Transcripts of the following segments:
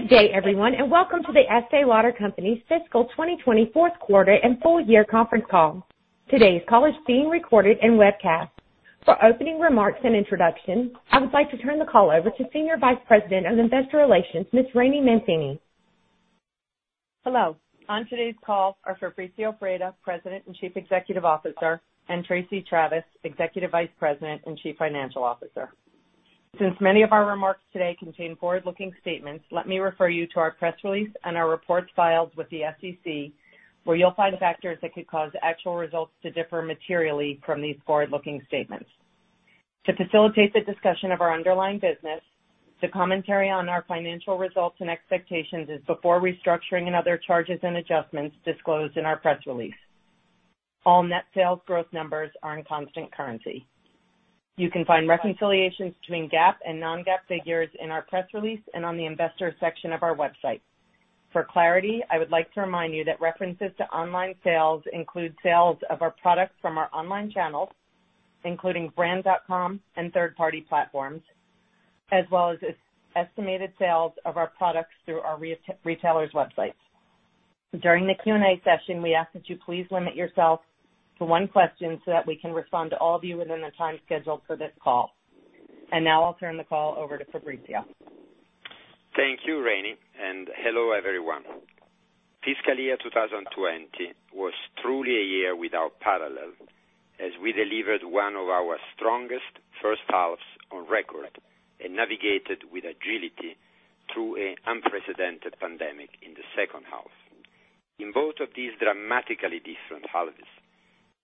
Good day, everyone. Welcome to The Estée Lauder Companies fiscal 2020 fourth quarter and full year conference call. Today's call is being recorded and webcast. For opening remarks and introduction, I would like to turn the call over to Senior Vice President of Investor Relations, Ms. Rainey Mancini. Hello. On today's call are Fabrizio Freda, President and Chief Executive Officer, and Tracey Travis, Executive Vice President and Chief Financial Officer. Since many of our remarks today contain forward-looking statements, let me refer you to our press release and our reports filed with the SEC, where you'll find the factors that could cause actual results to differ materially from these forward-looking statements. To facilitate the discussion of our underlying business, the commentary on our financial results and expectations is before restructuring and other charges and adjustments disclosed in our press release. All net sales growth numbers are in constant currency. You can find reconciliations between GAAP and non-GAAP figures in our press release and on the investor section of our website. For clarity, I would like to remind you that references to online sales include sales of our products from our online channels, including brand.com and third-party platforms, as well as estimated sales of our products through our retailers' websites. During the Q&A session, we ask that you please limit yourself to one question so that we can respond to all of you within the time scheduled for this call. Now I'll turn the call over to Fabrizio. Thank you, Rainey, and hello, everyone. Fiscal year 2020 was truly a year without parallel as we delivered one of our strongest first halves on record and navigated with agility through an unprecedented pandemic in the second half. In both of these dramatically different halves,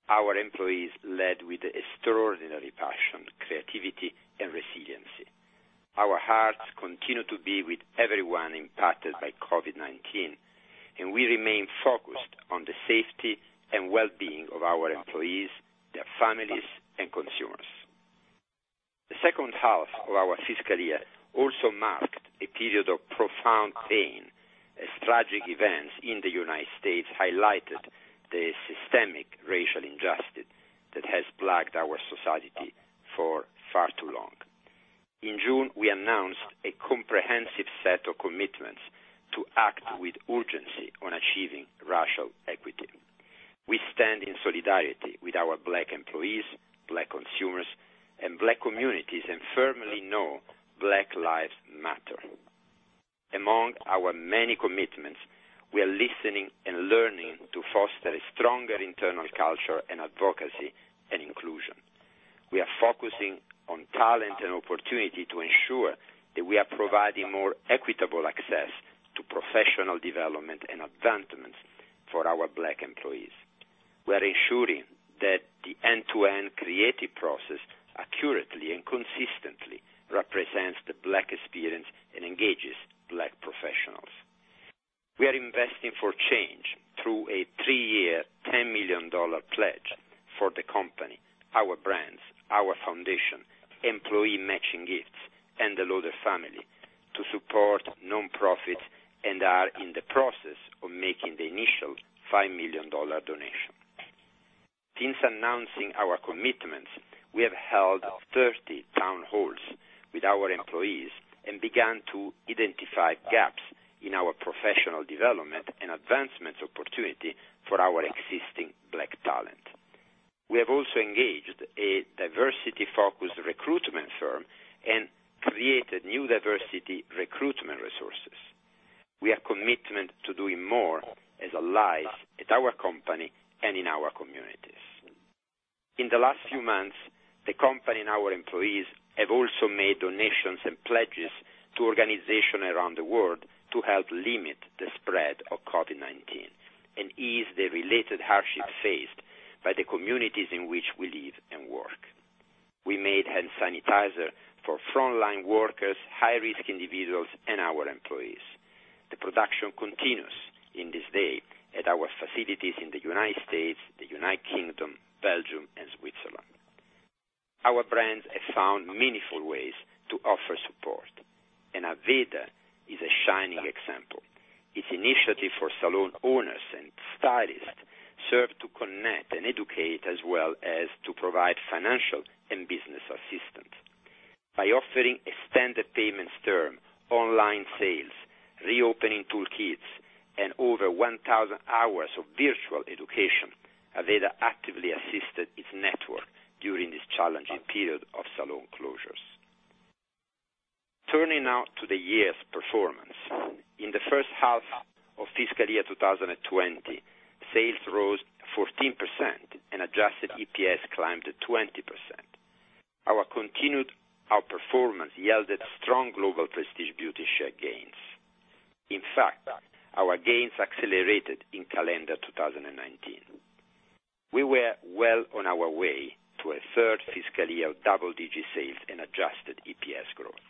our employees led with extraordinary passion, creativity, and resiliency. Our hearts continue to be with everyone impacted by COVID-19, and we remain focused on the safety and well-being of our employees, their families, and consumers. The second half of our fiscal year also marked a period of profound pain as tragic events in the U.S. highlighted the systemic racial injustice that has plagued our society for far too long. In June, we announced a comprehensive set of commitments to act with urgency on achieving racial equity. We stand in solidarity with our Black employees, Black consumers, and Black communities and firmly know Black Lives Matter. Among our many commitments, we are listening and learning to foster a stronger internal culture in advocacy and inclusion. We are focusing on talent and opportunity to ensure that we are providing more equitable access to professional development and advancements for our Black employees. We are ensuring that the end-to-end creative process accurately and consistently represents the Black experience and engages Black professionals. We are investing for change through a three year, $10 million pledge for the company, our brands, our foundation, employee matching gifts, and the Lauder family to support nonprofits and are in the process of making the initial $5 million donation. Since announcing our commitments, we have held 30 town halls with our employees and began to identify gaps in our professional development and advancement opportunity for our existing black talent. We have also engaged a diversity-focused recruitment firm and created new diversity recruitment resources. We are committed to doing more as allies at our company and in our communities. In the last few months, the company and our employees have also made donations and pledges to organizations around the world to help limit the spread of COVID-19 and ease the related hardships faced by the communities in which we live and work. We made hand sanitizer for frontline workers, high-risk individuals, and our employees. The production continues in this day at our facilities in the U.S., the U.K., Belgium, and Switzerland. Our brands have found meaningful ways to offer support, and Aveda is a shining example. Its initiative for salon owners and stylists serve to connect and educate as well as to provide financial and business assistance. By offering extended payment terms, online sales, reopening toolkits, and over 1,000 hours of virtual education, Aveda actively assisted its network during this challenging period of salon closures. Turning now to the year's performance. In the first half of fiscal year 2020, sales rose 14% and adjusted EPS climbed to 20%. Our continued outperformance yielded strong global prestige beauty share gains. In fact, our gains accelerated in calendar 2019. We were well on our way to a third fiscal year of double-digit sales and adjusted EPS growth.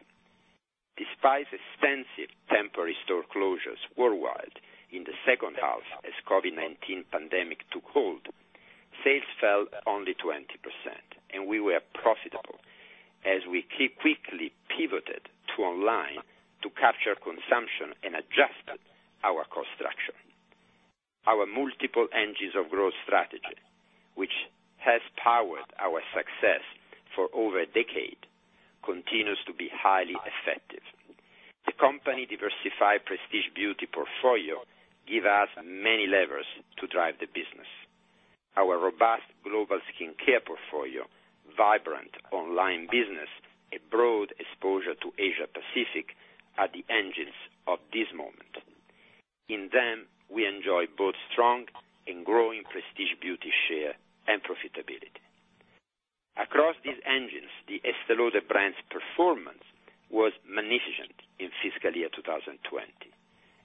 Despite extensive temporary store closures worldwide in the second half as COVID-19 pandemic took hold, sales fell only 20% and we were profitable as we quickly pivoted to online to capture consumption and adjusted our cost structure. Our multiple engines of growth strategy, which has powered our success for over a decade, continues to be highly effective. The company diversified prestige beauty portfolio give us many levers to drive the business. Our robust global skincare portfolio, vibrant online business, a broad exposure to Asia-Pacific are the engines of this moment. In them, we enjoy both strong and growing prestige beauty share and profitability. Across these engines, the Estée Lauder brand's performance was magnificent in fiscal year 2020,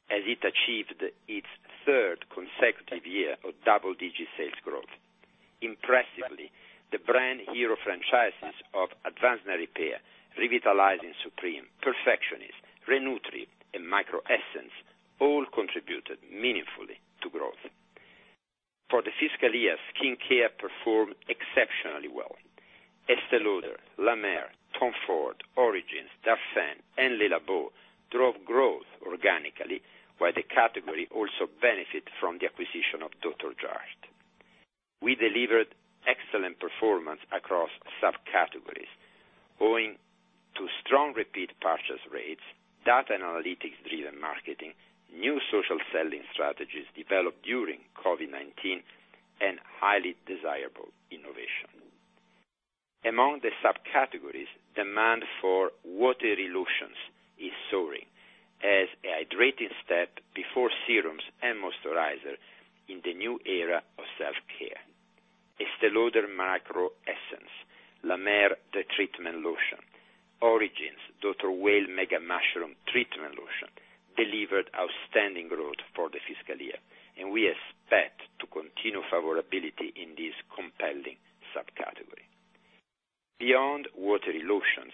as it achieved its third consecutive year of double-digit sales growth. Impressively, the brand hero franchises of Advanced Night Repair, Revitalizing Supreme+, Perfectionist, Re-Nutriv, and Micro Essence all contributed meaningfully to growth. For the fiscal year, skincare performed exceptionally well. Estée Lauder, La Mer, Tom Ford, Origins, Darphin, and Le Labo drove growth organically, while the category also benefit from the acquisition of Dr. Jart+. We delivered excellent performance across subcategories owing to strong repeat purchase rates, data analytics-driven marketing, new social selling strategies developed during COVID-19, and highly desirable innovation. Among the subcategories, demand for watery lotions is soaring as a hydrating step before serums and moisturizer in the new era of self-care. Estée Lauder Micro Essence, La Mer The Treatment Lotion, Origins Dr. Weil Mega-Mushroom Treatment Lotion delivered outstanding growth for the fiscal year, and we expect to continue favorability in this compelling subcategory. Beyond watery lotions,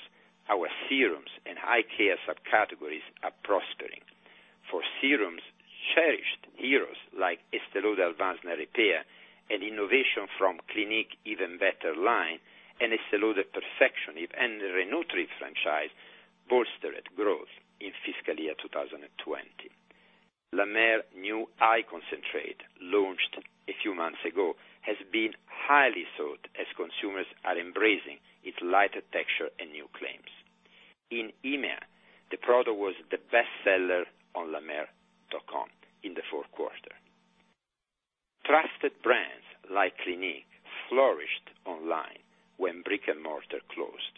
our serums and eye care subcategories are prospering. For serums, cherished heroes like Estée Lauder Advanced Night Repair, and innovation from Clinique Even Better line, and Estée Lauder Perfectionist and Re-Nutriv franchise bolstered growth in fiscal year 2020. La Mer new Eye Concentrate, launched a few months ago, has been highly sought as consumers are embracing its lighter texture and new claims. In EMEA, the product was the bestseller on lamer.com in the fourth quarter. Trusted brands like Clinique flourished online when brick and mortar closed.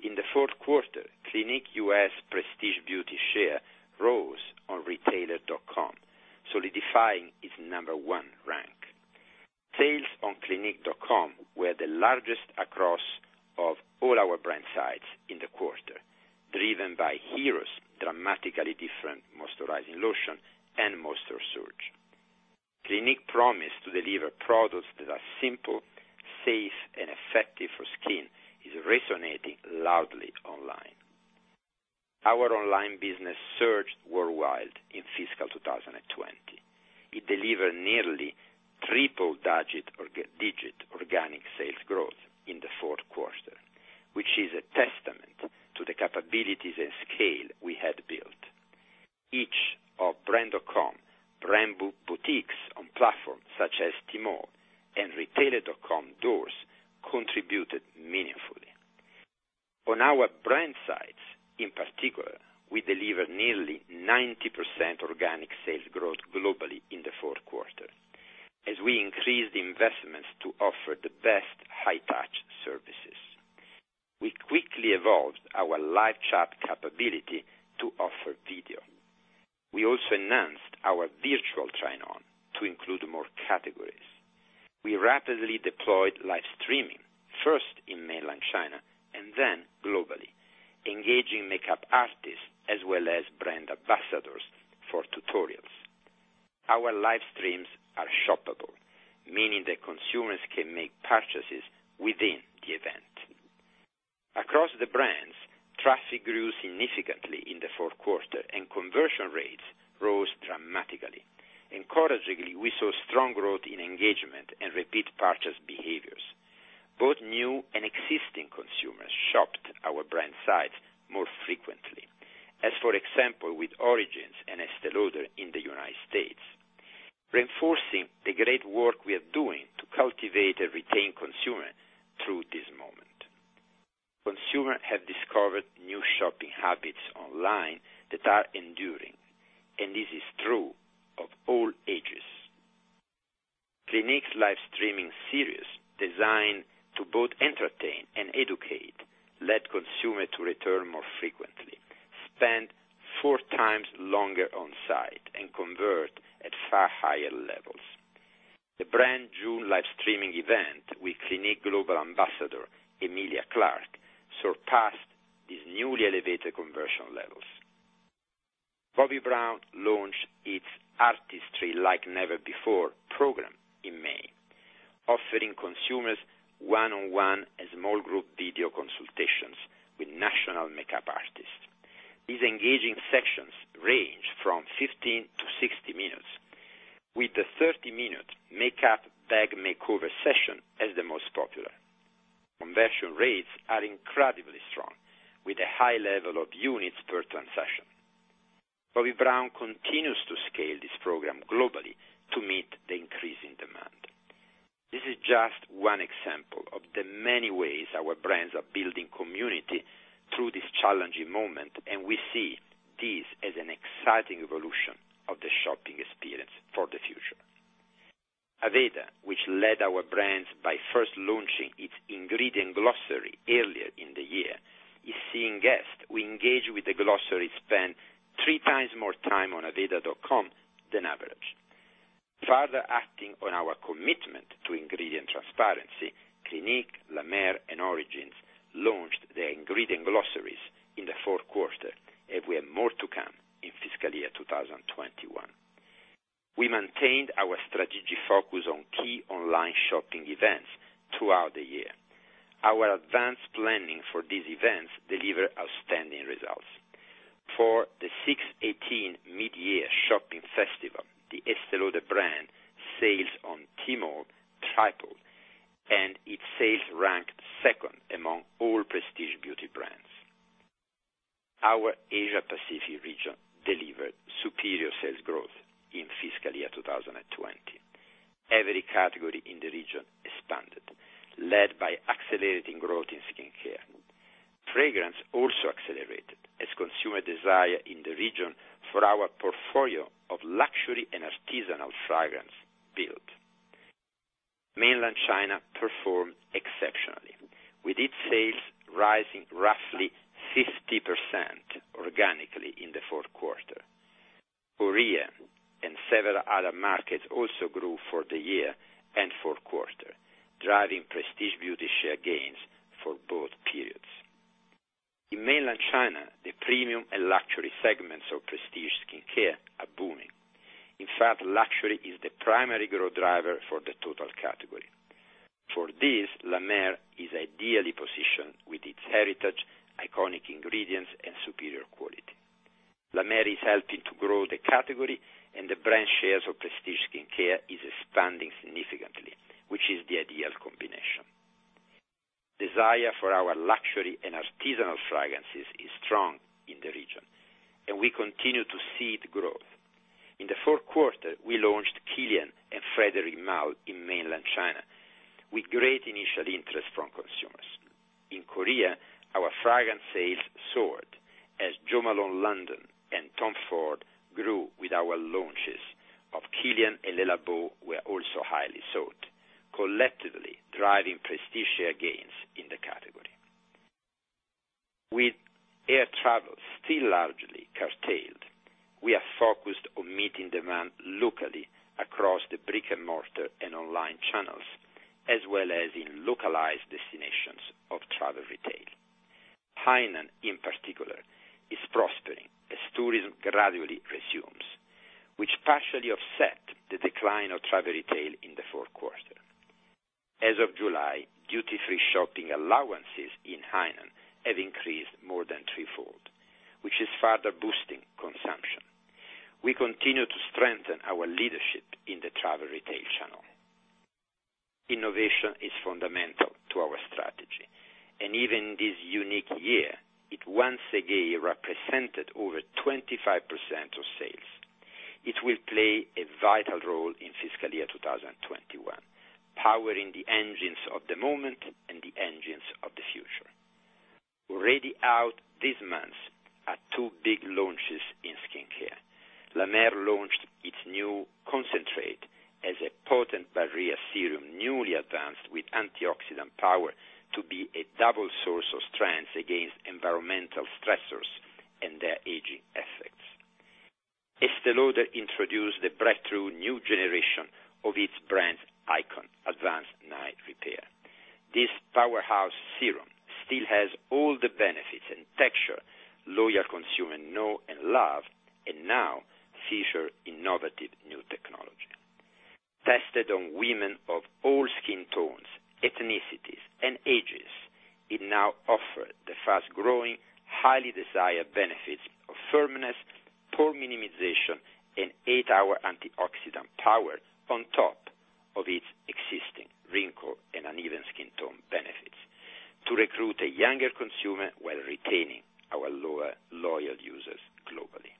In the fourth quarter, Clinique U.S. prestige beauty share rose on retailer.com, solidifying its number one rank. Sales on clinique.com were the largest across of all our brand sites in the quarter, driven by heroes Dramatically Different Moisturizing Lotion and Moisture Surge. Clinique promise to deliver products that are simple, safe, and effective for skin is resonating loudly online. Our online business surged worldwide in fiscal 2020. It delivered nearly triple-digit organic sales growth in the fourth quarter, which is a testament to the capabilities and scale we had built. Each of brand.com, brand boutiques on platforms such as Tmall, and retailer.com doors contributed meaningfully. On our brand sites, in particular, we delivered nearly 90% organic sales growth globally in the fourth quarter as we increased investments to offer the best high-touch services. We quickly evolved our live chat capability to offer video. We also enhanced our virtual try-on to include more categories. We rapidly deployed live streaming, first in mainland China and then globally, engaging makeup artists as well as brand ambassadors for tutorials. Our live streams are shoppable, meaning that consumers can make purchases within the event. Across the brands, traffic grew significantly in the fourth quarter, and conversion rates rose dramatically. Encouragingly, we saw strong growth in engagement and repeat purchase behaviors. Both new and existing consumers shopped our brand sites more frequently, as for example, with Origins and Estée Lauder in the U.S., reinforcing the great work we are doing to cultivate and retain consumer through this moment. Consumer have discovered new shopping habits online that are enduring, and this is true of all ages. Clinique's live streaming series, designed to both entertain and educate, led consumer to return more frequently, spend four times longer on site, and convert at far higher levels. The brand June live streaming event with Clinique global ambassador Emilia Clarke surpassed these newly elevated conversion levels. Bobbi Brown launched its Artistry Like Never Before program in May, offering consumers one-on-one and small group video consultations with national makeup artists. These engaging sessions range from 15-60 minutes, with the 30-minute makeup bag makeover session as the most popular. With a high level of units per transaction. Bobbi Brown continues to scale this program globally to meet the increasing demand. This is just one example of the many ways our brands are building community through this challenging moment, and we see this as an exciting evolution of the shopping experience for the future. Aveda, which led our brands by first launching its ingredient glossary earlier in the year, is seeing guests who engage with the glossary spend three times more time on aveda.com than average. Further acting on our commitment to ingredient transparency, Clinique, La Mer, and Origins launched their ingredient glossaries in the fourth quarter, and we have more to come in fiscal year 2021. We maintained our strategic focus on key online shopping events throughout the year. Our advanced planning for these events delivered outstanding results. For the 618 Mid-Year Shopping Festival, the Estée Lauder brand sales on Tmall tripled, and its sales ranked second among all prestige beauty brands. Our Asia-Pacific region delivered superior sales growth in fiscal year 2020. Every category in the region expanded, led by accelerating growth in skincare. Fragrance also accelerated as consumer desire in the region for our portfolio of luxury and artisanal fragrance built. Mainland China performed exceptionally, with its sales rising roughly 50% organically in the fourth quarter. Korea and several other markets also grew for the year and fourth quarter, driving prestige beauty share gains for both periods. In mainland China, the premium and luxury segments of prestige skincare are booming. In fact, luxury is the primary growth driver for the total category. For this, La Mer is ideally positioned with its heritage, iconic ingredients, and superior quality. La Mer is helping to grow the category. The brand shares of prestige skincare is expanding significantly, which is the ideal combination. Desire for our luxury and artisanal fragrances is strong in the region. We continue to see it grow. In the fourth quarter, we launched Kilian and Frédéric Malle in mainland China with great initial interest from consumers. In Korea, our fragrance sales soared as Jo Malone London and Tom Ford grew with our launches of Kilian and Le Labo were also highly sought, collectively driving prestige share gains in the category. With air travel still largely curtailed, we are focused on meeting demand locally across the brick-and-mortar and online channels, as well as in localized destinations of travel retail. Hainan, in particular, is prospering as tourism gradually resumes, which partially offset the decline of travel retail in the fourth quarter. As of July, duty-free shopping allowances in Hainan have increased more than threefold, which is further boosting consumption. We continue to strengthen our leadership in the travel retail channel. Innovation is fundamental to our strategy, and even this unique year, it once again represented over 25% of sales. It will play a vital role in fiscal year 2021, powering the engines of the moment and the engines of the future. Already out this month are two big launches in skincare. La Mer launched its new Concentrate as a potent barrier serum, newly advanced with antioxidant power to be a double source of strength against environmental stressors and their aging effects. Estée Lauder introduced the breakthrough new generation of its brand icon, Advanced Night Repair. This powerhouse serum still has all the benefits and texture loyal consumers know and love, and now features innovative new technology. Tested on women of all skin tones, ethnicities, and ages, it now offers the fast-growing, highly desired benefits of firmness, pore minimization, and eight-hour antioxidant power on top of its existing wrinkle and uneven skin tone benefits to recruit a younger consumer while retaining our loyal users globally.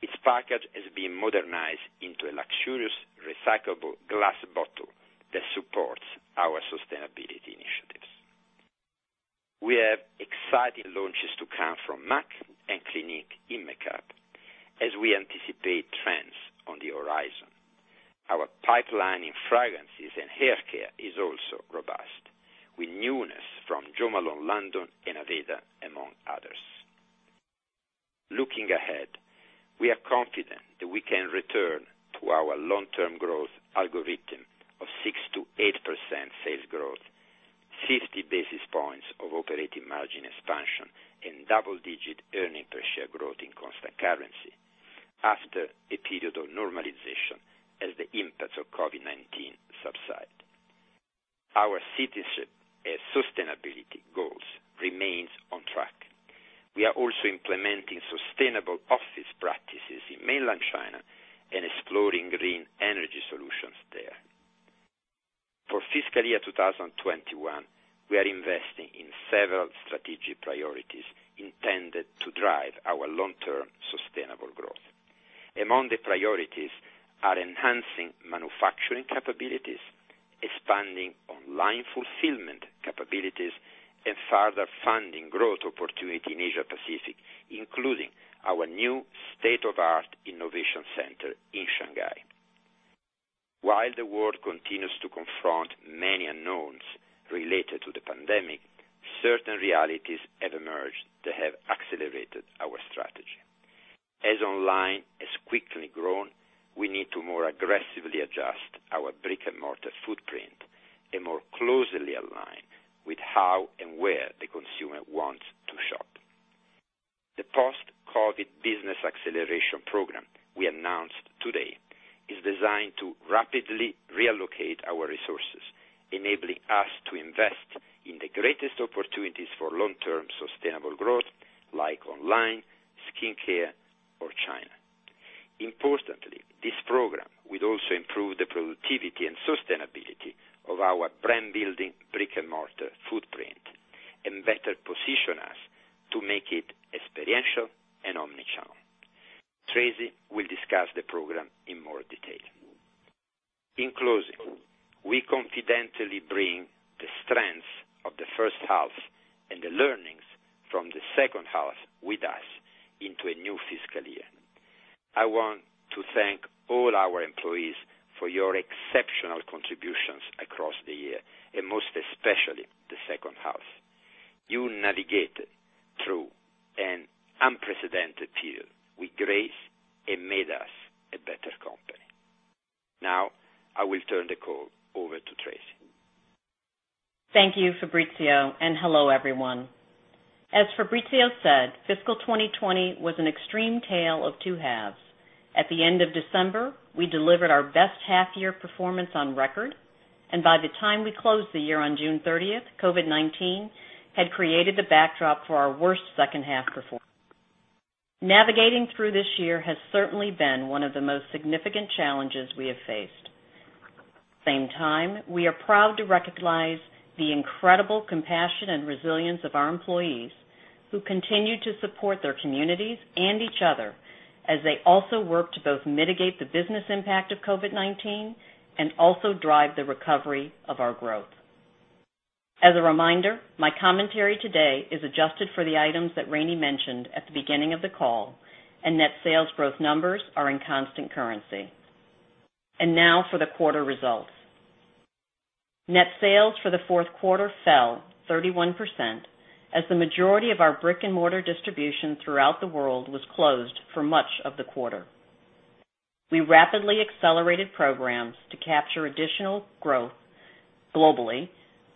Its package has been modernized into a luxurious recyclable glass bottle that supports our sustainability initiatives. We have exciting launches to come from M·A·C and Clinique in makeup as we anticipate trends on the horizon. Our pipeline in fragrances and haircare is also robust, with newness from Jo Malone London and Aveda, among others. Looking ahead, we are confident that we can return to our long-term growth algorithm of 6%-8% sales growth, 50 basis points of operating margin expansion, and double-digit earning per share growth in constant currency after a period of normalization as the impacts of COVID-19 subside. Our citizenship and sustainability goals remain on track. We are also implementing sustainable office practices in mainland China and exploring green energy solutions there. For fiscal year 2021, we are investing in several strategic priorities intended to drive our long-term sustainable growth. Among the priorities are enhancing manufacturing capabilities, expanding online fulfillment capabilities, and further funding growth opportunity in Asia-Pacific, including our new state-of-the-art innovation center in Shanghai. While the world continues to confront many unknowns related to the pandemic, certain realities have emerged that have accelerated our strategy. As online has quickly grown, we need to more aggressively adjust our brick-and-mortar footprint and more closely align with how and where the consumer wants to shop. The Post-COVID Business Acceleration Program we announced today is designed to rapidly reallocate our resources, enabling us to invest in the greatest opportunities for long-term sustainable growth like online, skincare, or China. Importantly, this program will also improve the productivity and sustainability of our brand-building brick-and-mortar footprint and better position us to make it experiential and omni-channel. Tracey will discuss the program in more detail. In closing, we confidently bring the strengths of the first half and the learnings from the second half with us into a new fiscal year. I want to thank all our employees for your exceptional contributions across the year, and most especially the second half. You navigated through an unprecedented period with grace and made us a better company. Now, I will turn the call over to Tracey. Thank you, Fabrizio, and hello, everyone. As Fabrizio said, fiscal 2020 was an extreme tale of two halves. At the end of December, we delivered our best half-year performance on record, and by the time we closed the year on June 30th, COVID-19 had created the backdrop for our worst second half performance. Navigating through this year has certainly been one of the most significant challenges we have faced. Same time, we are proud to recognize the incredible compassion and resilience of our employees, who continue to support their communities and each other as they also work to both mitigate the business impact of COVID-19 and also drive the recovery of our growth. As a reminder, my commentary today is adjusted for the items that Rainey mentioned at the beginning of the call, and net sales growth numbers are in constant currency. Now for the quarter results. Net sales for the fourth quarter fell 31% as the majority of our brick-and-mortar distribution throughout the world was closed for much of the quarter. We rapidly accelerated programs to capture additional growth globally,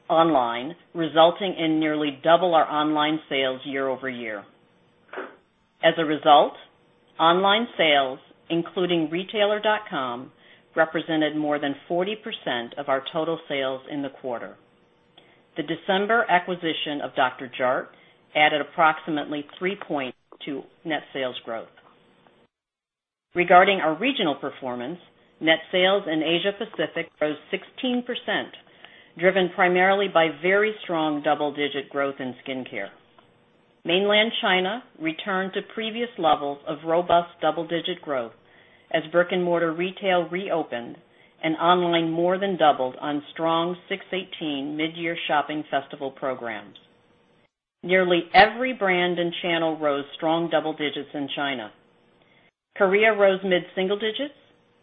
online, resulting in nearly double our online sales year-over-year. As a result, online sales, including retailer.com, represented more than 40% of our total sales in the quarter. The December acquisition of Dr. Jart+ added approximately 3 basis points to net sales growth. Regarding our regional performance, net sales in Asia-Pacific rose 16%, driven primarily by very strong double-digit growth in skincare. Mainland China returned to previous levels of robust double-digit growth as brick-and-mortar retail reopened and online more than doubled on strong 618 Mid-Year Shopping Festival programs. Nearly every brand and channel rose strong double digits in China. Korea rose mid-single digits,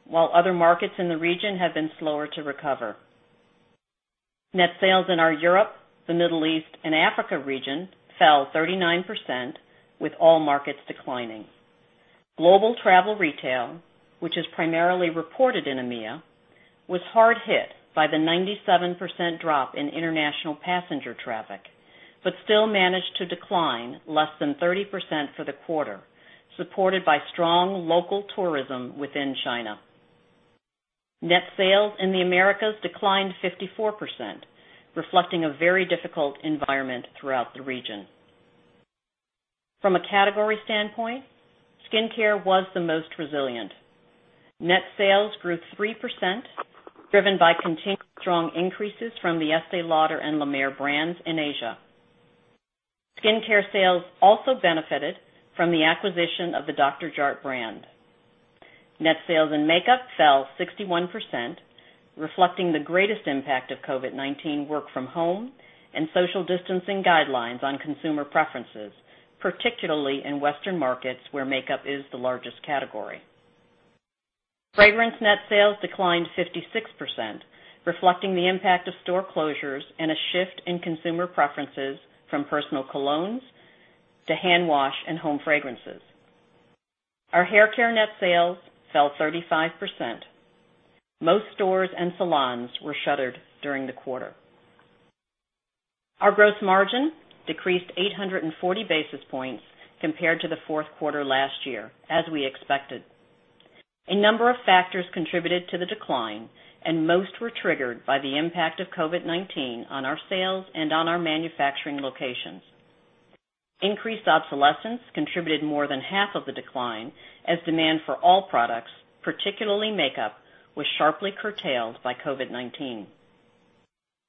while other markets in the region have been slower to recover. Net sales in our Europe, the Middle East, and Africa region fell 39% with all markets declining. Global travel retail, which is primarily reported in EMEA, was hard hit by the 97% drop in international passenger traffic, but still managed to decline less than 30% for the quarter, supported by strong local tourism within China. Net sales in the Americas declined 54%, reflecting a very difficult environment throughout the region. From a category standpoint, skincare was the most resilient. Net sales grew 3%, driven by continued strong increases from the Estée Lauder and La Mer brands in Asia. Skincare sales also benefited from the acquisition of the Dr. Jart+ brand. Net sales in makeup fell 61%, reflecting the greatest impact of COVID-19 work from home and social distancing guidelines on consumer preferences, particularly in Western markets where makeup is the largest category. Fragrance net sales declined 56%, reflecting the impact of store closures and a shift in consumer preferences from personal colognes to hand wash and home fragrances. Our haircare net sales fell 35%. Most stores and salons were shuttered during the quarter. Our gross margin decreased 840 basis points compared to the fourth quarter last year, as we expected. A number of factors contributed to the decline, and most were triggered by the impact of COVID-19 on our sales and on our manufacturing locations. Increased obsolescence contributed more than half of the decline as demand for all products, particularly makeup, was sharply curtailed by COVID-19.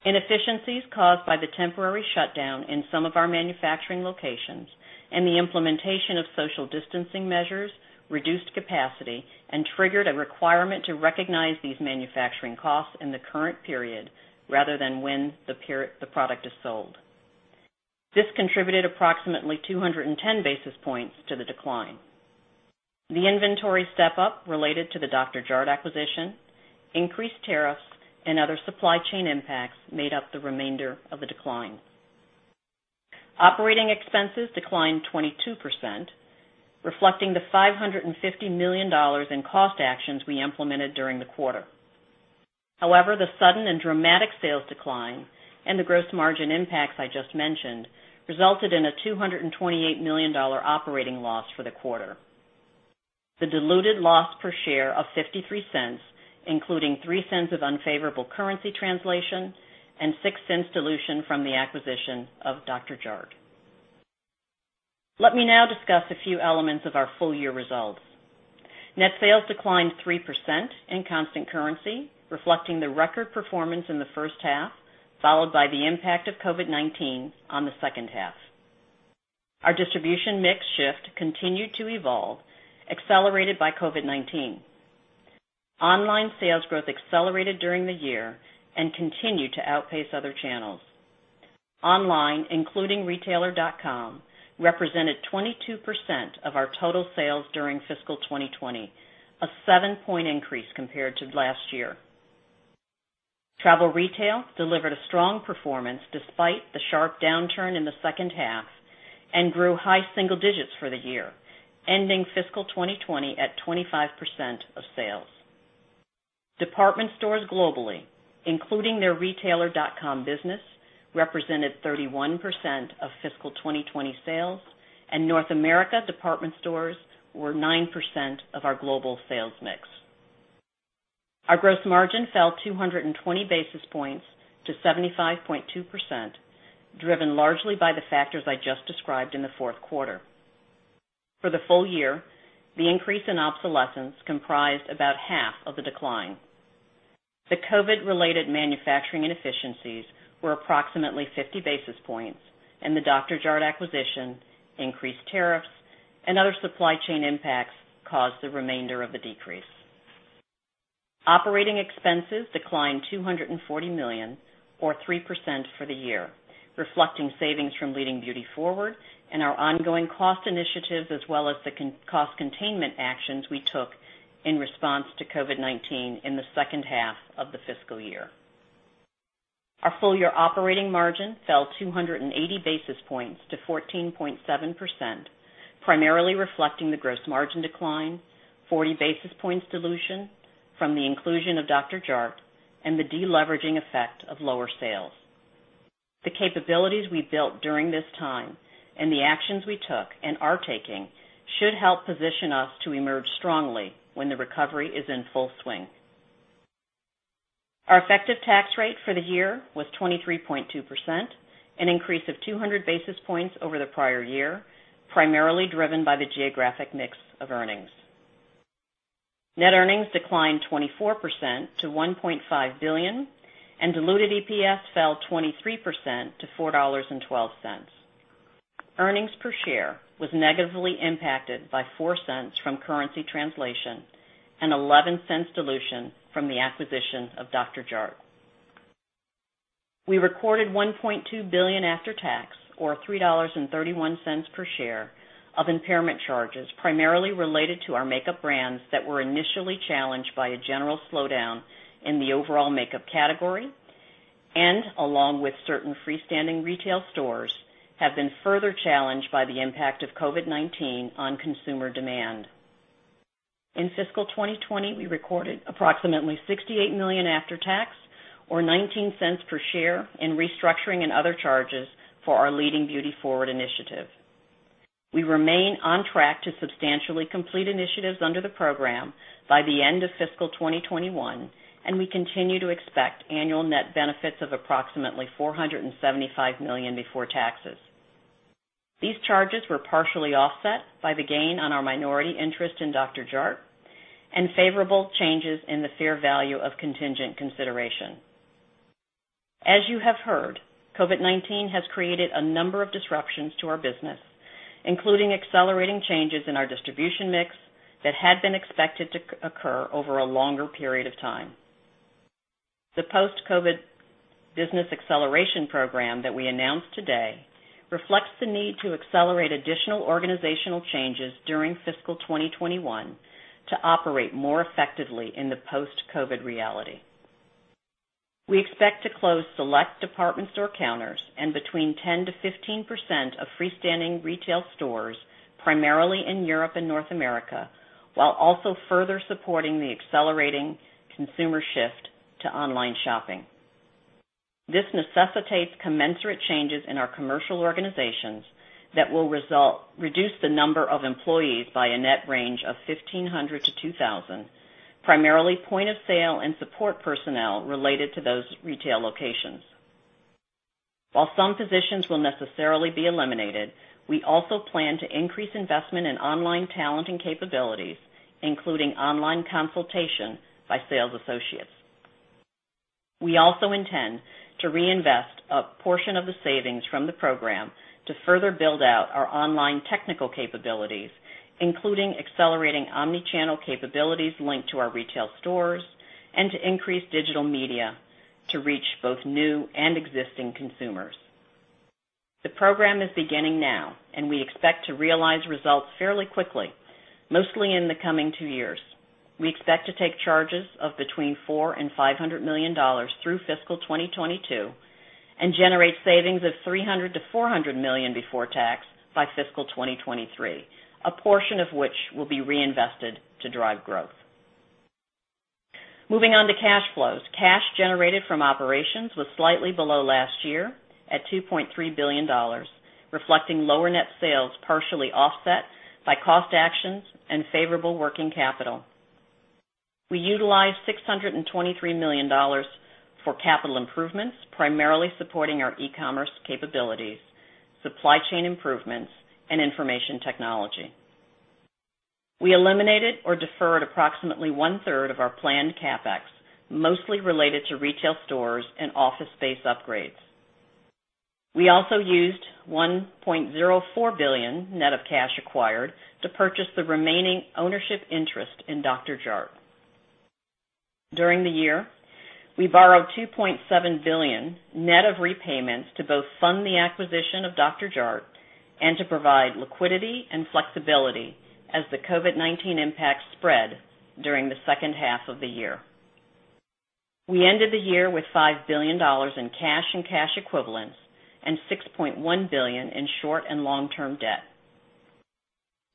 Inefficiencies caused by the temporary shutdown in some of our manufacturing locations and the implementation of social distancing measures reduced capacity and triggered a requirement to recognize these manufacturing costs in the current period rather than when the product is sold. This contributed approximately 210 basis points to the decline. The inventory step-up related to the Dr. Jart+ acquisition, increased tariffs, and other supply chain impacts made up the remainder of the decline. Operating expenses declined 22%, reflecting the $550 million in cost actions we implemented during the quarter. The sudden and dramatic sales decline and the gross margin impacts I just mentioned resulted in a $228 million operating loss for the quarter. The diluted loss per share of $0.53, including $0.03 of unfavorable currency translation and $0.06 dilution from the acquisition of Dr. Jart+. Let me now discuss a few elements of our full-year results. Net sales declined 3% in constant currency, reflecting the record performance in the first half, followed by the impact of COVID-19 on the second half. Our distribution mix shift continued to evolve, accelerated by COVID-19. Online sales growth accelerated during the year and continued to outpace other channels. Online, including retailer.com, represented 22% of our total sales during fiscal 2020, a 7 basis point increase compared to last year. Travel retail delivered a strong performance despite the sharp downturn in the second half and grew high single digits for the year, ending fiscal 2020 at 25% of sales. Department stores globally, including their retailer.com business, represented 31% of fiscal 2020 sales, and North America department stores were 9% of our global sales mix. Our gross margin fell 220 basis points to 75.2%, driven largely by the factors I just described in the fourth quarter. For the full year, the increase in obsolescence comprised about half of the decline. The COVID-related manufacturing inefficiencies were approximately 50 basis points, and the Dr. Jart+ acquisition, increased tariffs, and other supply chain impacts caused the remainder of the decrease. Operating expenses declined $240 million, or 3% for the year, reflecting savings from Leading Beauty Forward and our ongoing cost initiatives, as well as the cost containment actions we took in response to COVID-19 in the second half of the fiscal year. Our full-year operating margin fell 280 basis points to 14.7%, primarily reflecting the gross margin decline, 40 basis points dilution from the inclusion of Dr. Jart+, and the de-leveraging effect of lower sales. The capabilities we built during this time and the actions we took and are taking should help position us to emerge strongly when the recovery is in full swing. Our effective tax rate for the year was 23.2%, an increase of 200 basis points over the prior year, primarily driven by the geographic mix of earnings. Net earnings declined 24% to $1.5 billion, and diluted EPS fell 23% to $4.12. Earnings per share was negatively impacted by $0.04 from currency translation and $0.11 dilution from the acquisition of Dr. Jart+. We recorded $1.2 billion after tax, or $3.31 per share, of impairment charges, primarily related to our makeup brands that were initially challenged by a general slowdown in the overall makeup category and, along with certain freestanding retail stores, have been further challenged by the impact of COVID-19 on consumer demand. In fiscal 2020, we recorded approximately $68 million after tax, or $0.19 per share, in restructuring and other charges for our Leading Beauty Forward initiative. We remain on track to substantially complete initiatives under the program by the end of fiscal 2021, and we continue to expect annual net benefits of approximately $475 million before taxes. These charges were partially offset by the gain on our minority interest in Dr. Jart+ and favorable changes in the fair value of contingent consideration. As you have heard, COVID-19 has created a number of disruptions to our business, including accelerating changes in our distribution mix that had been expected to occur over a longer period of time. The Post-COVID Business Acceleration Program that we announced today reflects the need to accelerate additional organizational changes during fiscal 2021 to operate more effectively in the post-COVID reality. We expect to close select department store counters and between 10%-15% of freestanding retail stores, primarily in Europe and North America, while also further supporting the accelerating consumer shift to online shopping. This necessitates commensurate changes in our commercial organizations that will reduce the number of employees by a net range of 1,500-2,000. Primarily point of sale and support personnel related to those retail locations. While some positions will necessarily be eliminated, we also plan to increase investment in online talent and capabilities, including online consultation by sales associates. We also intend to reinvest a portion of the savings from the program to further build out our online technical capabilities, including accelerating omni-channel capabilities linked to our retail stores and to increase digital media to reach both new and existing consumers. The program is beginning now. We expect to realize results fairly quickly, mostly in the coming two years. We expect to take charges of between $400 million and $500 million through fiscal 2022 and generate savings of $300 million-$400 million before tax by fiscal 2023. A portion of which will be reinvested to drive growth. Moving on to cash flows. Cash generated from operations was slightly below last year at $2.3 billion, reflecting lower net sales, partially offset by cost actions and favorable working capital. We utilized $623 million for capital improvements, primarily supporting our e-commerce capabilities, supply chain improvements, and information technology. We eliminated or deferred approximately 1/3 of our planned CapEx, mostly related to retail stores and office space upgrades. We also used $1.04 billion net of cash acquired to purchase the remaining ownership interest in Dr. Jart+. During the year, we borrowed $2.7 billion net of repayments to both fund the acquisition of Dr. Jart+ and to provide liquidity and flexibility as the COVID-19 impact spread during the second half of the year. We ended the year with $5 billion in cash and cash equivalents and $6.1 billion in short and long-term debt.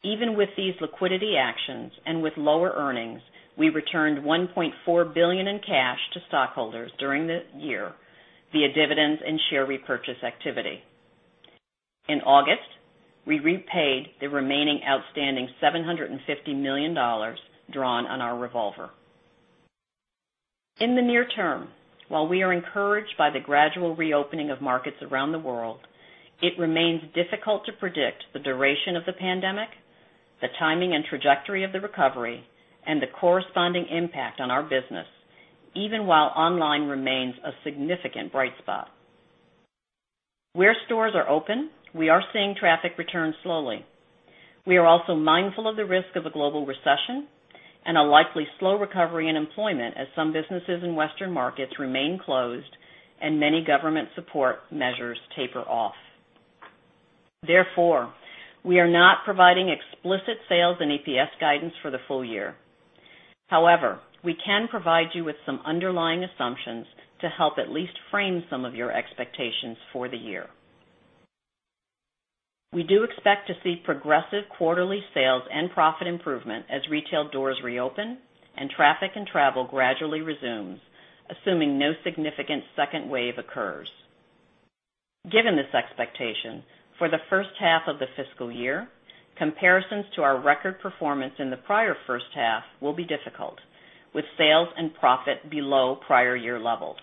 Even with these liquidity actions and with lower earnings, we returned $1.4 billion in cash to stockholders during the year via dividends and share repurchase activity. In August, we repaid the remaining outstanding $750 million drawn on our revolver. In the near term, while we are encouraged by the gradual reopening of markets around the world, it remains difficult to predict the duration of the pandemic, the timing and trajectory of the recovery, and the corresponding impact on our business, even while online remains a significant bright spot. Where stores are open, we are seeing traffic return slowly. We are also mindful of the risk of a global recession and a likely slow recovery in employment as some businesses in western markets remain closed and many government support measures taper off. Therefore, we are not providing explicit sales and EPS guidance for the full year. However, we can provide you with some underlying assumptions to help at least frame some of your expectations for the year. We do expect to see progressive quarterly sales and profit improvement as retail doors reopen and traffic and travel gradually resumes, assuming no significant second wave occurs. Given this expectation, for the first half of the fiscal year, comparisons to our record performance in the prior first half will be difficult, with sales and profit below prior year levels.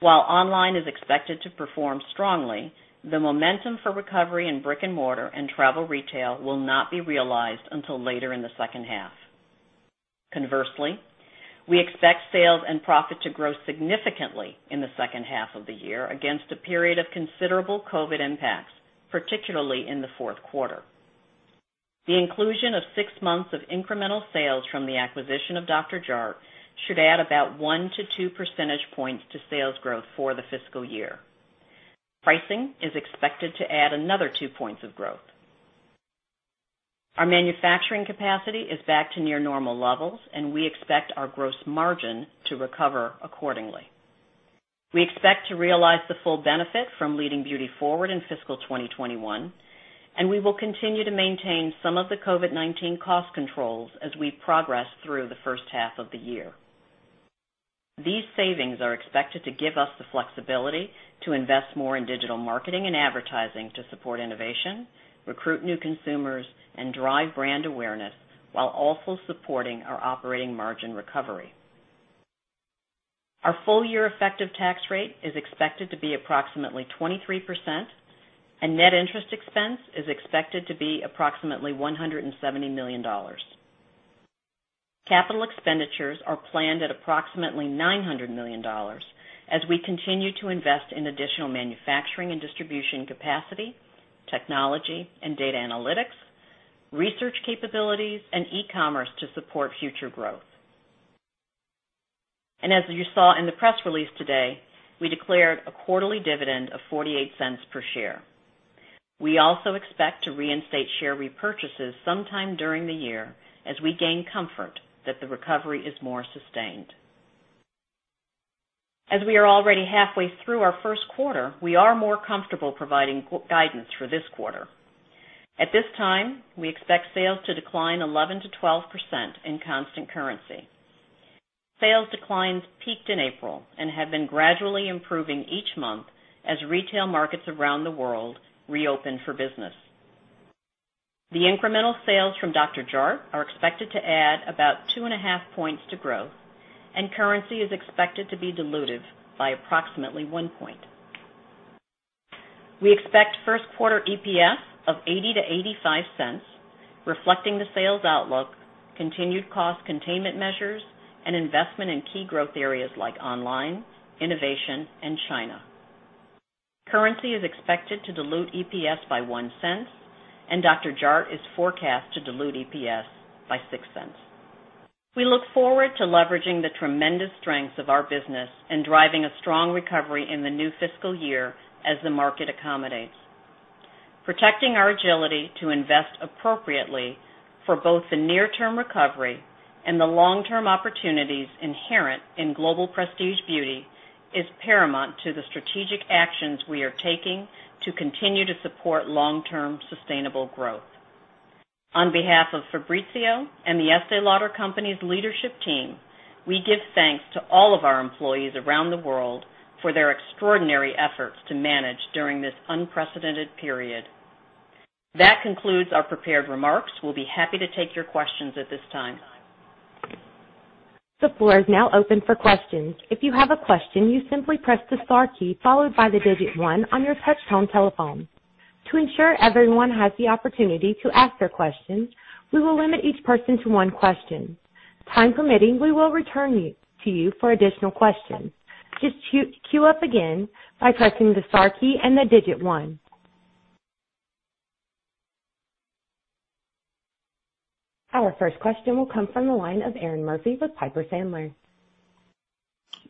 While online is expected to perform strongly, the momentum for recovery in brick and mortar and travel retail will not be realized until later in the second half. Conversely, we expect sales and profit to grow significantly in the second half of the year against a period of considerable COVID-19 impacts, particularly in the fourth quarter. The inclusion of six months of incremental sales from the acquisition of Dr. Jart+ should add about one to two percentage points to sales growth for the fiscal year. Pricing is expected to add another two points of growth. Our manufacturing capacity is back to near normal levels, and we expect our gross margin to recover accordingly. We expect to realize the full benefit from Leading Beauty Forward in fiscal 2021, and we will continue to maintain some of the COVID-19 cost controls as we progress through the first half of the year. These savings are expected to give us the flexibility to invest more in digital marketing and advertising to support innovation, recruit new consumers, and drive brand awareness while also supporting our operating margin recovery. Our full-year effective tax rate is expected to be approximately 23%, and net interest expense is expected to be approximately $170 million. Capital expenditures are planned at approximately $900 million as we continue to invest in additional manufacturing and distribution capacity, technology and data analytics, research capabilities, and e-commerce to support future growth. As you saw in the press release today, we declared a quarterly dividend of $0.48 per share. We also expect to reinstate share repurchases sometime during the year as we gain comfort that the recovery is more sustained. As we are already halfway through our first quarter, we are more comfortable providing guidance for this quarter. At this time, we expect sales to decline 11%-12% in constant currency. Sales declines peaked in April and have been gradually improving each month as retail markets around the world reopen for business. The incremental sales from Dr. Jart+ are expected to add about two and a half points to growth, and currency is expected to be dilutive by approximately one point. We expect first quarter EPS of $0.80-$0.85, reflecting the sales outlook, continued cost containment measures, and investment in key growth areas like online, innovation, and China. Currency is expected to dilute EPS by $0.01, and Dr. Jart+ is forecast to dilute EPS by $0.06. We look forward to leveraging the tremendous strengths of our business and driving a strong recovery in the new fiscal year as the market accommodates. Protecting our agility to invest appropriately for both the near-term recovery and the long-term opportunities inherent in global prestige beauty is paramount to the strategic actions we are taking to continue to support long-term sustainable growth. On behalf of Fabrizio and The Estée Lauder Companies leadership team, we give thanks to all of our employees around the world for their extraordinary efforts to manage during this unprecedented period. That concludes our prepared remarks. We will be happy to take your questions at this time. The floor is now open for questions. If you have a question, you simply press the star key followed by the digit one on your touchtone telephone. To ensure everyone has the opportunity to ask their question, we will limit each person to one question. Time permitting, we will return to you for additional questions. Just queue up again by pressing the star key and the digit one. Our first question will come from the line of Erinn Murphy with Piper Sandler.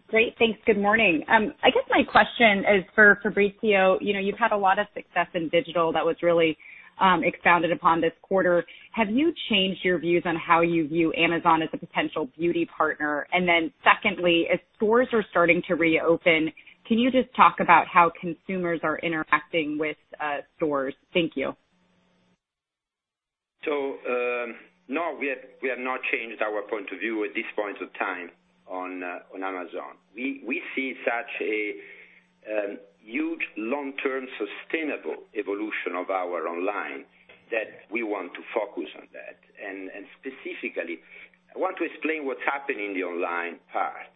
Great. Thanks. Good morning. I guess my question is for Fabrizio. You've had a lot of success in digital that was really expounded upon this quarter. Have you changed your views on how you view Amazon as a potential beauty partner? Secondly, as stores are starting to reopen, can you just talk about how consumers are interacting with stores? Thank you. No, we have not changed our point of view at this point of time on Amazon. We see such a huge long-term sustainable evolution of our online that we want to focus on that. Specifically, I want to explain what's happening in the online part.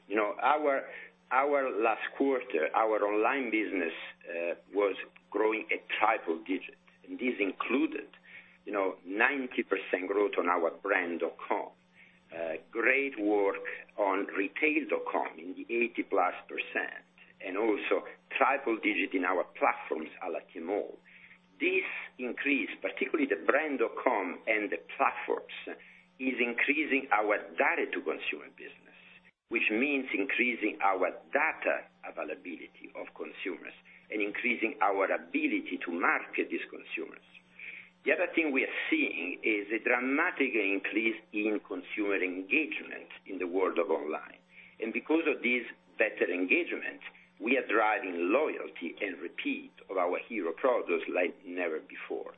Our last quarter, our online business was growing at triple digits, and this included 90% growth on our brand.com. Great work on retailer.com in the 80%+, and also triple digit in our platforms, a la Tmall. This increase, particularly the brand.com and the platforms, is increasing our direct to consumer business, which means increasing our data availability of consumers and increasing our ability to market these consumers. The other thing we are seeing is a dramatic increase in consumer engagement in the world of online. Because of this better engagement, we are driving loyalty and repeat of our hero products like never before.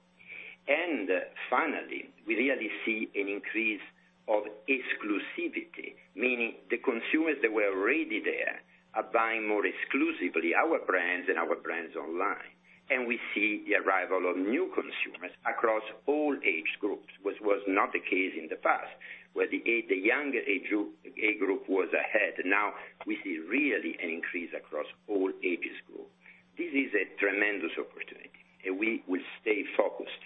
Finally, we really see an increase of exclusivity, meaning the consumers that were already there are buying more exclusively our brands and our brands online. We see the arrival of new consumers across all age groups, which was not the case in the past, where the younger age group was ahead. Now we see really an increase across all age groups. This is a tremendous opportunity, and we will stay focused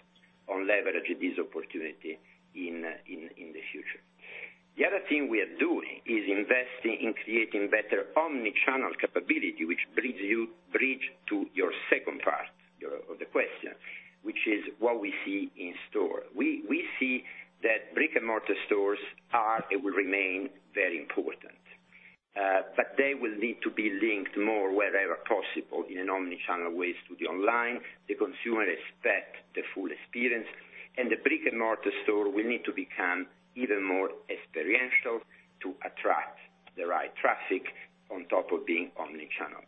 on leveraging this opportunity in the future. The other thing we are doing is investing in creating better omni-channel capability, which bridge to your second part of the question, which is what we see in store. We see that brick-and-mortar stores are, and will remain, very important. They will need to be linked more wherever possible in an omni-channel way to the online. The consumer expects the full experience, and the brick-and-mortar store will need to become even more experiential to attract the right traffic on top of being omni-channel.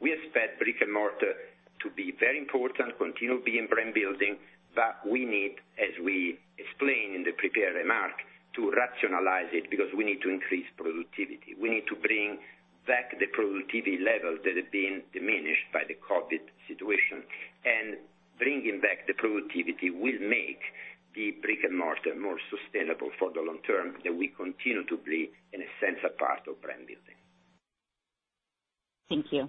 We expect brick-and-mortar to be very important, continue being brand building, but we need, as we explained in the prepared remarks, to rationalize it because we need to increase productivity. We need to bring back the productivity levels that have been diminished by the COVID-19 situation. Bringing back the productivity will make the brick-and-mortar more sustainable for the long term that we continue to be, in a sense, a part of brand building. Thank you.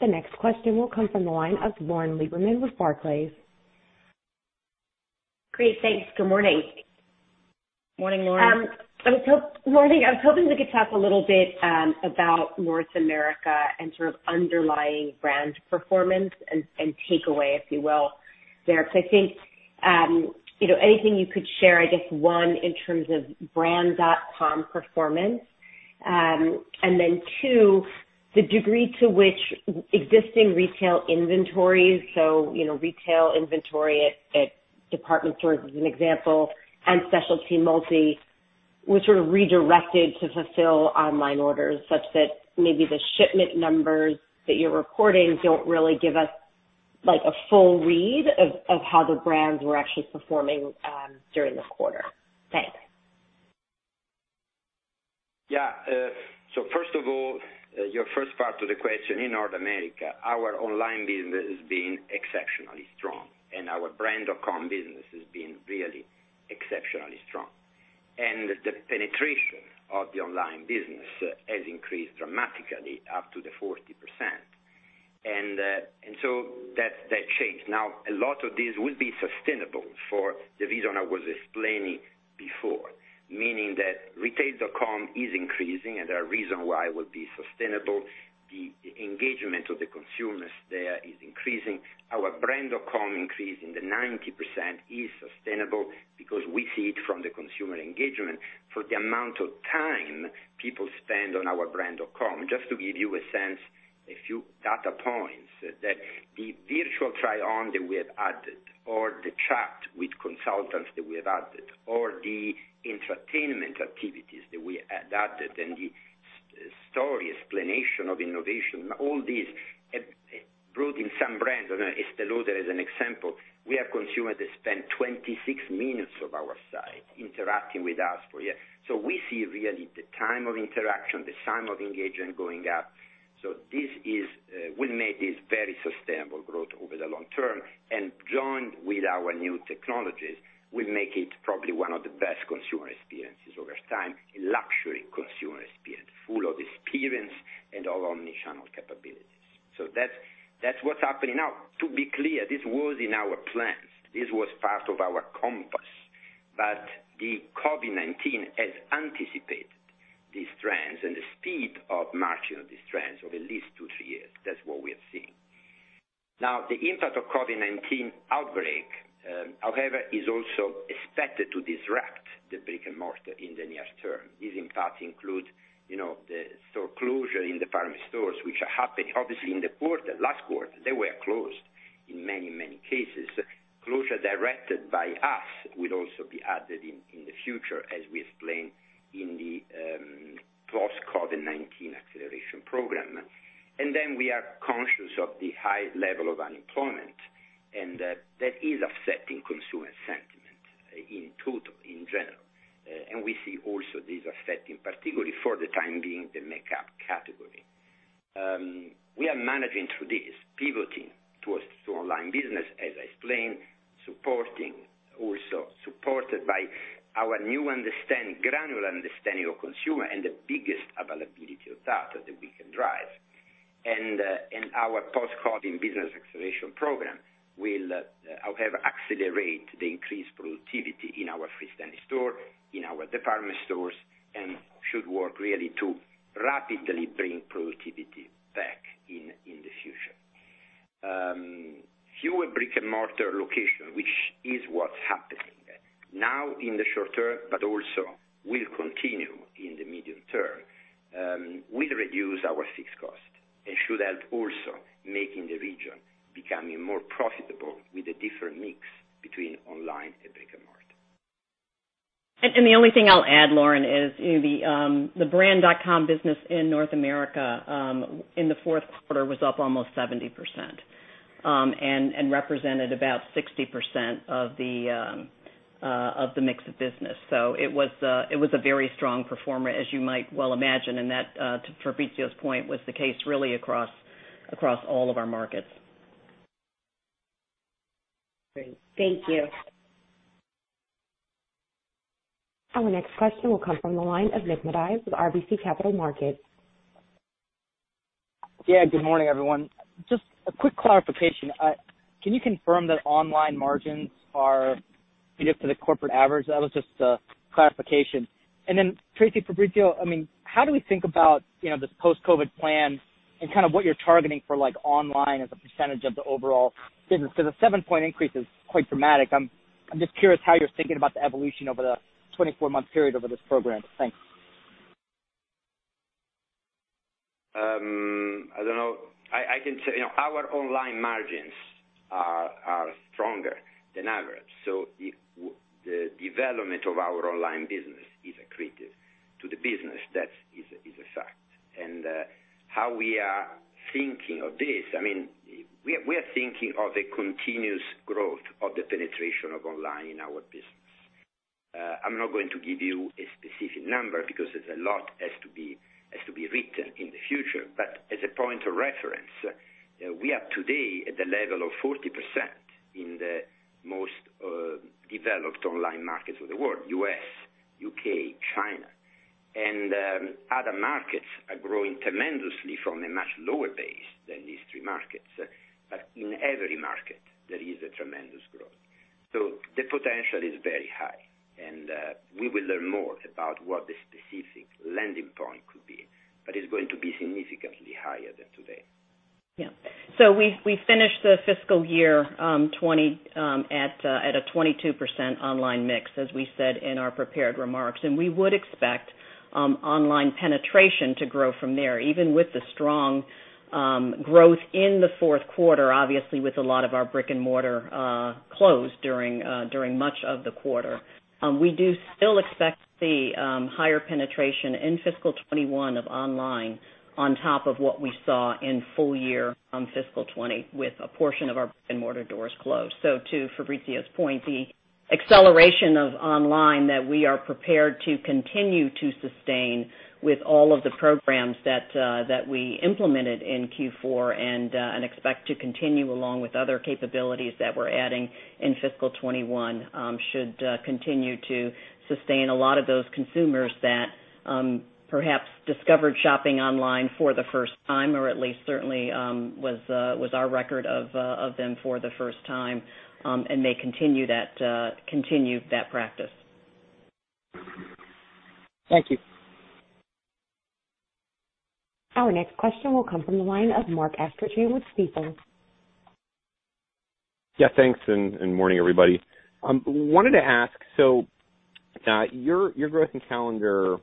The next question will come from the line of Lauren Lieberman with Barclays. Great. Thanks. Good morning. Morning, Lauren. Morning. I was hoping we could talk a little bit about North America and sort of underlying brand performance and takeaway, if you will there. I think anything you could share, I guess, one, in terms of brand.com performance. Then two, the degree to which existing retail inventories, so retail inventory at department stores, as an example, and specialty multi, were sort of redirected to fulfill online orders such that maybe the shipment numbers that you're recording don't really give us like a full read of how the brands were actually performing during the quarter. Thanks. First of all, your first part of the question, in North America, our online business has been exceptionally strong, and our brand.com business has been really exceptionally strong. The penetration of the online business has increased dramatically up to the 40%. That changed. Now, a lot of this will be sustainable for the reason I was explaining before, meaning that retailer.com is increasing, and there are reasons why it will be sustainable. The engagement of the consumers there is increasing. Our brand.com increase in the 90% is sustainable because we see it from the consumer engagement for the amount of time people spend on our brand.com. Just to give you a sense, a few data points that the virtual try-on that we have added, or the chat with consultants that we have added, or the entertainment activities that we added, and the story explanation of innovation, all these have brought in some brands. Estée Lauder as an example, we have consumers that spend 26 minutes of our site interacting with us for, yeah. We see really the time of interaction, the time of engagement going up. This will make this very sustainable growth over the long term. Joined with our new technologies, will make it probably one of the best consumer experiences over time, a luxury consumer experience, full of experience and all omni-channel capabilities. That's what's happening now. To be clear, this was in our plans. This was part of our compass. The COVID-19 has anticipated these trends and the speed of marching of these trends over at least two, three years. That's what we are seeing. The impact of COVID-19 outbreak, however, is also expected to disrupt the brick-and-mortar in the near term. This impact includes the store closure in department stores, which happened obviously in the quarter, last quarter. They were closed in many cases. Closure directed by us will also be added in the future, as we explained in the Post-COVID Business Acceleration Program. We are conscious of the high level of unemployment, and that is affecting consumer sentiment in total, in general. We see also this affecting, particularly for the time being, the makeup category. We are managing through this, pivoting towards to online business, as I explained, supporting also, supported by our new granular understanding of consumer and the biggest availability of data that we can drive. Our Post-COVID Business Acceleration Program will, however, accelerate the increased productivity in our freestanding store, in our department stores, and should work really to rapidly bring productivity back in the future. Fewer brick-and-mortar location, which is what's happening now in the short term, but also will continue in the medium term, will reduce our fixed cost and should help also making the region becoming more profitable with a different mix between online and brick-and-mortar. The only thing I'll add, Lauren, is the brand.com business in North America, in the fourth quarter, was up almost 70%, and represented about 60% of the mix of business. It was a very strong performer, as you might well imagine, and that, to Fabrizio's point, was the case really across all of our markets. Great. Thank you. Our next question will come from the line of Nik Modi with RBC Capital Markets. Yeah, good morning, everyone. Just a quick clarification. Can you confirm that online margins are negative for the corporate average? That was just a clarification. Tracey, Fabrizio, how do we think about this Post-COVID Plan and kind of what you're targeting for online as a percentage of the overall business? A 7 basis point increase is quite dramatic. I'm just curious how you're thinking about the evolution over the 24-month period over this program? Thanks. I don't know. I can say, our online margins are stronger than average. The development of our online business is accretive to the business. That is a fact. How we are thinking of this, we are thinking of the continuous growth of the penetration of online in our business. I'm not going to give you a specific number because a lot has to be written in the future. As a point of reference, we are today at the level of 40% in the most developed online markets of the world, U.S., U.K., China. Other markets are growing tremendously from a much lower base than these three markets. In every market, there is a tremendous growth. The potential is very high, and we will learn more about what the specific landing point could be, but it's going to be significantly higher than today. Yeah. We finished the fiscal year at a 22% online mix, as we said in our prepared remarks. We would expect online penetration to grow from there, even with the strong growth in the fourth quarter, obviously with a lot of our brick-and-mortar closed during much of the quarter. We do still expect to see higher penetration in fiscal 2021 of online. On top of what we saw in full year fiscal 2020 with a portion of our brick-and-mortar doors closed. To Fabrizio's point, the acceleration of online that we are prepared to continue to sustain with all of the programs that we implemented in Q4 and expect to continue along with other capabilities that we're adding in fiscal 2021, should continue to sustain a lot of those consumers that perhaps discovered shopping online for the first time, or at least certainly was our record of them for the first time, and may continue that practice. Thank you. Our next question will come from the line of Mark Astrachan with Stifel. Thanks, and morning, everybody. Wanted to ask, your growth in calendar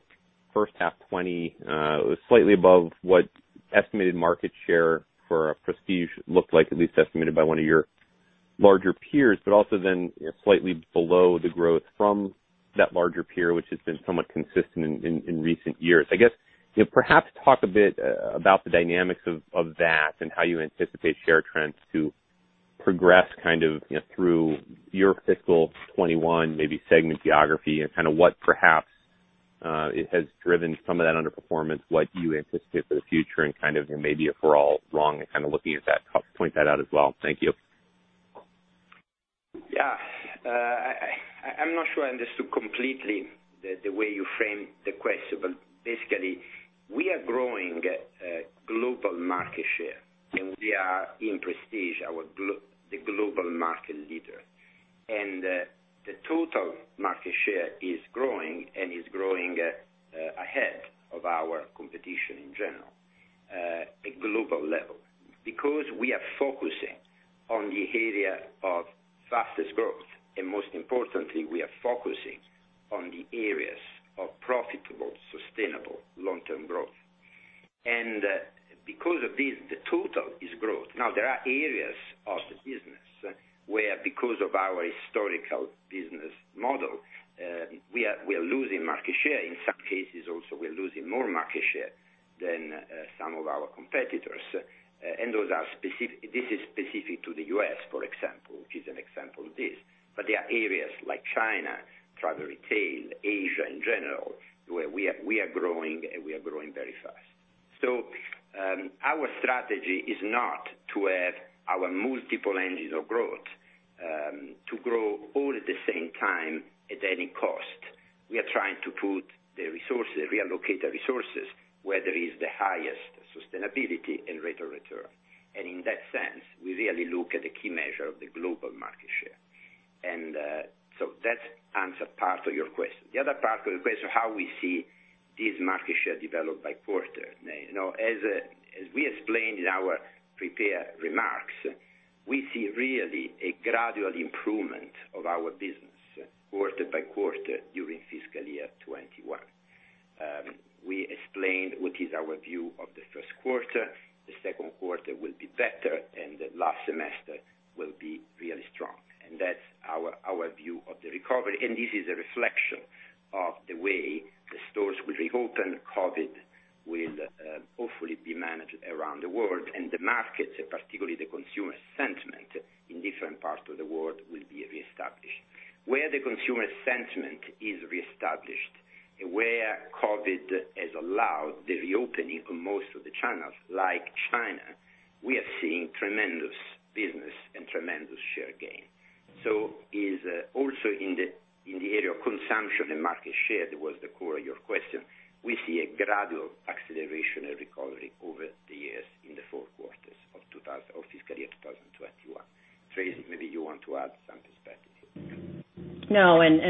first half 2020 was slightly above what estimated market share for prestige looked like, at least estimated by one of your larger peers, also then slightly below the growth from that larger peer, which has been somewhat consistent in recent years. Perhaps talk a bit about the dynamics of that and how you anticipate share trends to progress through your fiscal 2021, maybe segment geography and what perhaps has driven some of that underperformance, what you anticipate for the future and maybe if we're all wrong and looking at that, help point that out as well? Thank you. Yeah. I'm not sure I understood completely the way you framed the question, Basically, we are growing global market share, and we are, in prestige, the global market leader. The total market share is growing and is growing ahead of our competition in general at global level. We are focusing on the area of fastest growth, and most importantly, we are focusing on the areas of profitable, sustainable, long-term growth. Because of this, the total is growth. Now, there are areas of the business where, because of our historical business model, we are losing market share. In some cases also, we are losing more market share than some of our competitors. This is specific to the U.S., for example, which is an example of this. There are areas like China, travel retail, Asia in general, where we are growing and we are growing very fast. Our strategy is not to have our multiple engines of growth to grow all at the same time at any cost. We are trying to put the resources, reallocate the resources where there is the highest sustainability and rate of return. In that sense, we really look at the key measure of the global market share. That answers part of your question. The other part of the question, how we see this market share develop by quarter. As we explained in our prepared remarks, we see really a gradual improvement of our business quarter by quarter during fiscal year 2021. We explained what is our view of the first quarter. The second quarter will be better, and the last semester will be really strong. That's our view of the recovery, and this is a reflection of the way the stores will reopen. COVID will hopefully be managed around the world and the markets, particularly the consumer sentiment in different parts of the world, will be reestablished. Where the consumer sentiment is reestablished and where COVID has allowed the reopening of most of the channels, like China, we are seeing tremendous business and tremendous share gain. Also in the area of consumption and market share, that was the core of your question. We see a gradual acceleration and recovery over the years in the four quarters of fiscal year 2021. Tracey, maybe you want to add some perspective.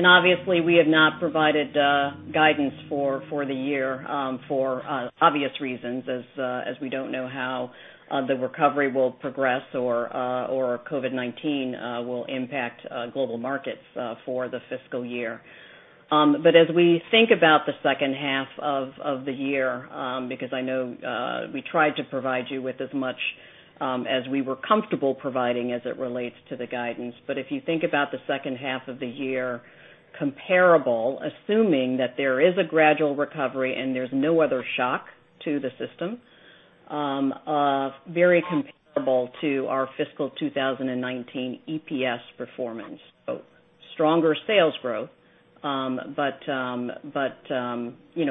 Obviously, we have not provided guidance for the year for obvious reasons, as we don't know how the recovery will progress or COVID-19 will impact global markets for the fiscal year. As we think about the second half of the year, because I know we tried to provide you with as much as we were comfortable providing as it relates to the guidance, if you think about the second half of the year comparable, assuming that there's a gradual recovery and there's no other shock to the system, very comparable to our fiscal 2019 EPS performance. Stronger sales growth,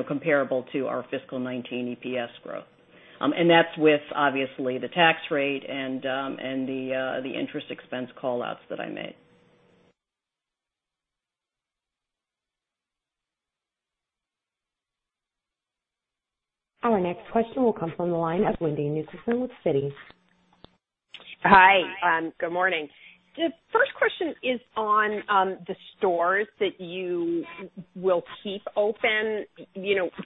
comparable to our fiscal 2019 EPS growth. That's with, obviously, the tax rate and the interest expense call-outs that I made. Our next question will come from the line of Wendy Nicholson with Citi. Hi. Good morning. The first question is on the stores that you will keep open.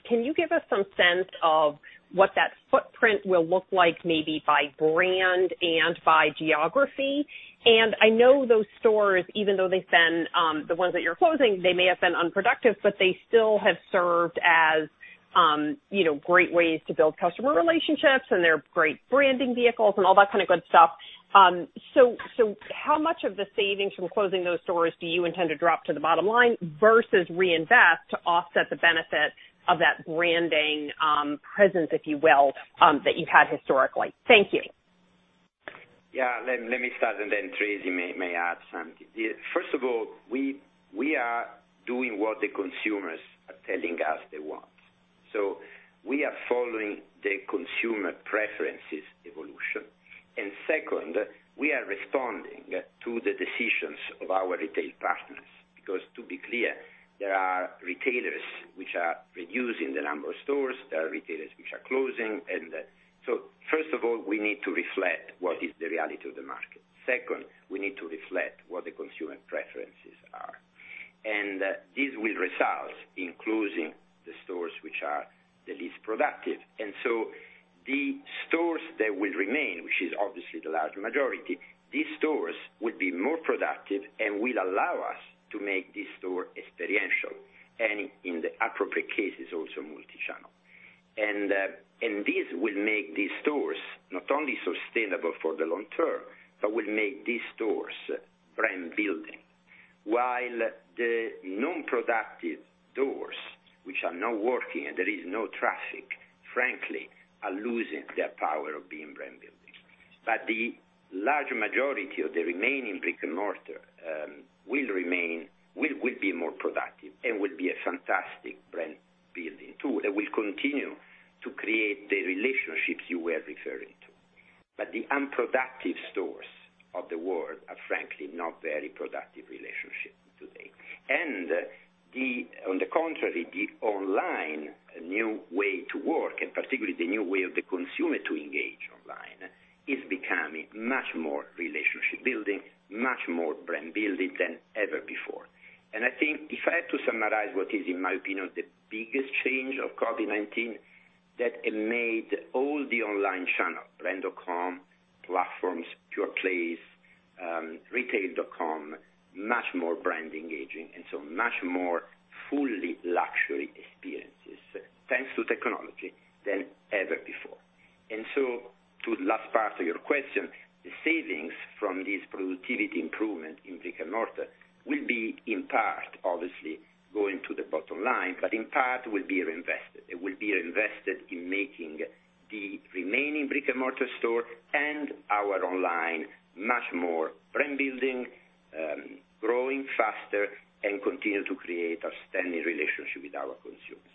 Can you give us some sense of what that footprint will look like, maybe by brand and by geography? I know those stores, even though they've been the ones that you're closing, they may have been unproductive, but they still have served as great ways to build customer relationships. They're great branding vehicles and all that kind of good stuff. How much of the savings from closing those stores do you intend to drop to the bottom line versus reinvest to offset the benefit of that branding presence, if you will, that you've had historically? Thank you. Yeah. Let me start, and then Tracey may add something. First of all, we are doing what the consumers are telling us they want. We are following the consumer preferences evolution. Second, we are responding to the decisions of our retail partners. To be clear, there are retailers which are reducing the number of stores, there are retailers which are closing. First of all, we need to reflect what is the reality of the market. Second, we need to reflect what the consumer preferences are. This will result in closing the stores which are the least productive. The stores that will remain, which is obviously the large majority, these stores will be more productive and will allow us to make this store experiential, and in the appropriate cases, also multichannel. This will make these stores not only sustainable for the long term, but will make these stores brand-building, while the non-productive stores, which are not working and there is no traffic, frankly, are losing their power of being brand building. The large majority of the remaining brick and mortar will be more productive and will be a fantastic brand-building tool that will continue to create the relationships you were referring to. The unproductive stores of the world are, frankly, not very productive relationships today. On the contrary, the online new way to work, and particularly the new way of the consumer to engage online, is becoming much more relationship building, much more brand building than ever before. I think if I had to summarize what is, in my opinion, the biggest change of COVID-19, that it made all the online channel, brand.com, platforms, pure plays, retailer.com, much more brand engaging and so much more fully luxury experiences, thanks to technology, than ever before. To the last part of your question, the savings from this productivity improvement in brick and mortar will be in part, obviously, going to the bottom line, but in part will be reinvested. It will be invested in making the remaining brick and mortar store and our online much more brand building, growing faster, and continue to create outstanding relationship with our consumers.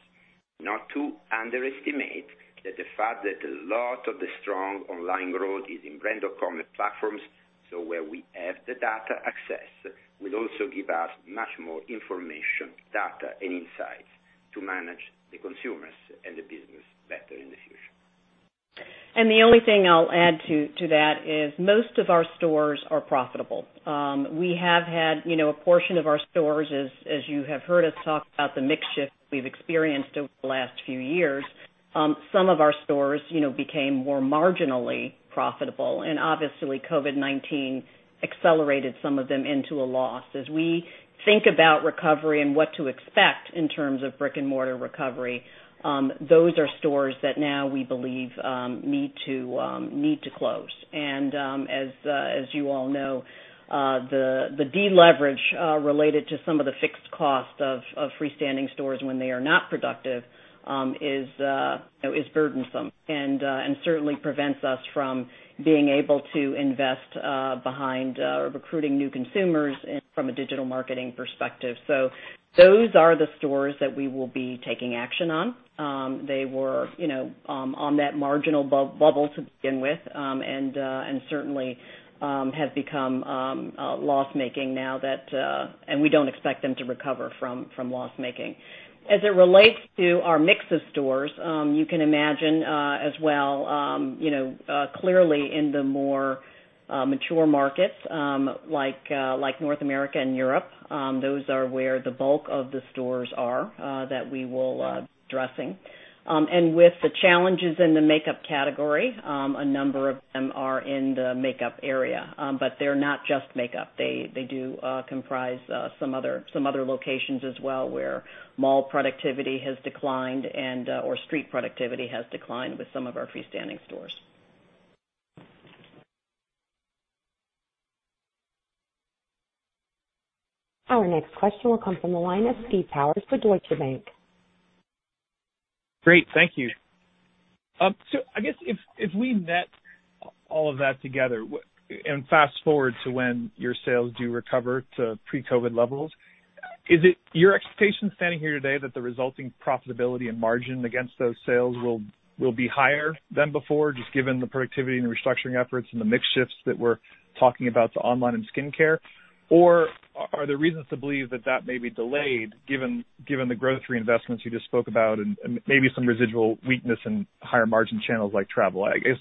Not to underestimate that the fact that a lot of the strong online growth is in brand.com platforms, so where we have the data access will also give us much more information, data, and insights to manage the consumers and the business better in the future. The only thing I'll add to that is most of our stores are profitable. We have had a portion of our stores, as you have heard us talk about the mix shift we've experienced over the last few years. Some of our stores became more marginally profitable, and obviously COVID-19 accelerated some of them into a loss. As we think about recovery and what to expect in terms of brick and mortar recovery, those are stores that now we believe need to close. As you all know, the deleverage related to some of the fixed cost of freestanding stores when they are not productive is burdensome and certainly prevents us from being able to invest behind recruiting new consumers from a digital marketing perspective. Those are the stores that we will be taking action on. They were on that marginal bubble to begin with, certainly have become loss-making now that we don't expect them to recover from loss-making. As it relates to our mix of stores, you can imagine, as well, clearly in the more mature markets like North America and Europe, those are where the bulk of the stores are that we will be addressing. With the challenges in the makeup category, a number of them are in the makeup area. They're not just makeup. They do comprise some other locations as well, where mall productivity has declined or street productivity has declined with some of our freestanding stores. Our next question will come from the line of Steve Powers for Deutsche Bank. Great. Thank you. I guess if we net all of that together and fast-forward to when your sales do recover to pre-COVID levels, is it your expectation standing here today that the resulting profitability and margin against those sales will be higher than before, just given the productivity and restructuring efforts and the mix shifts that we're talking about to online and skincare? Or are there reasons to believe that that may be delayed given the growth reinvestments you just spoke about and maybe some residual weakness in higher margin channels like travel? I guess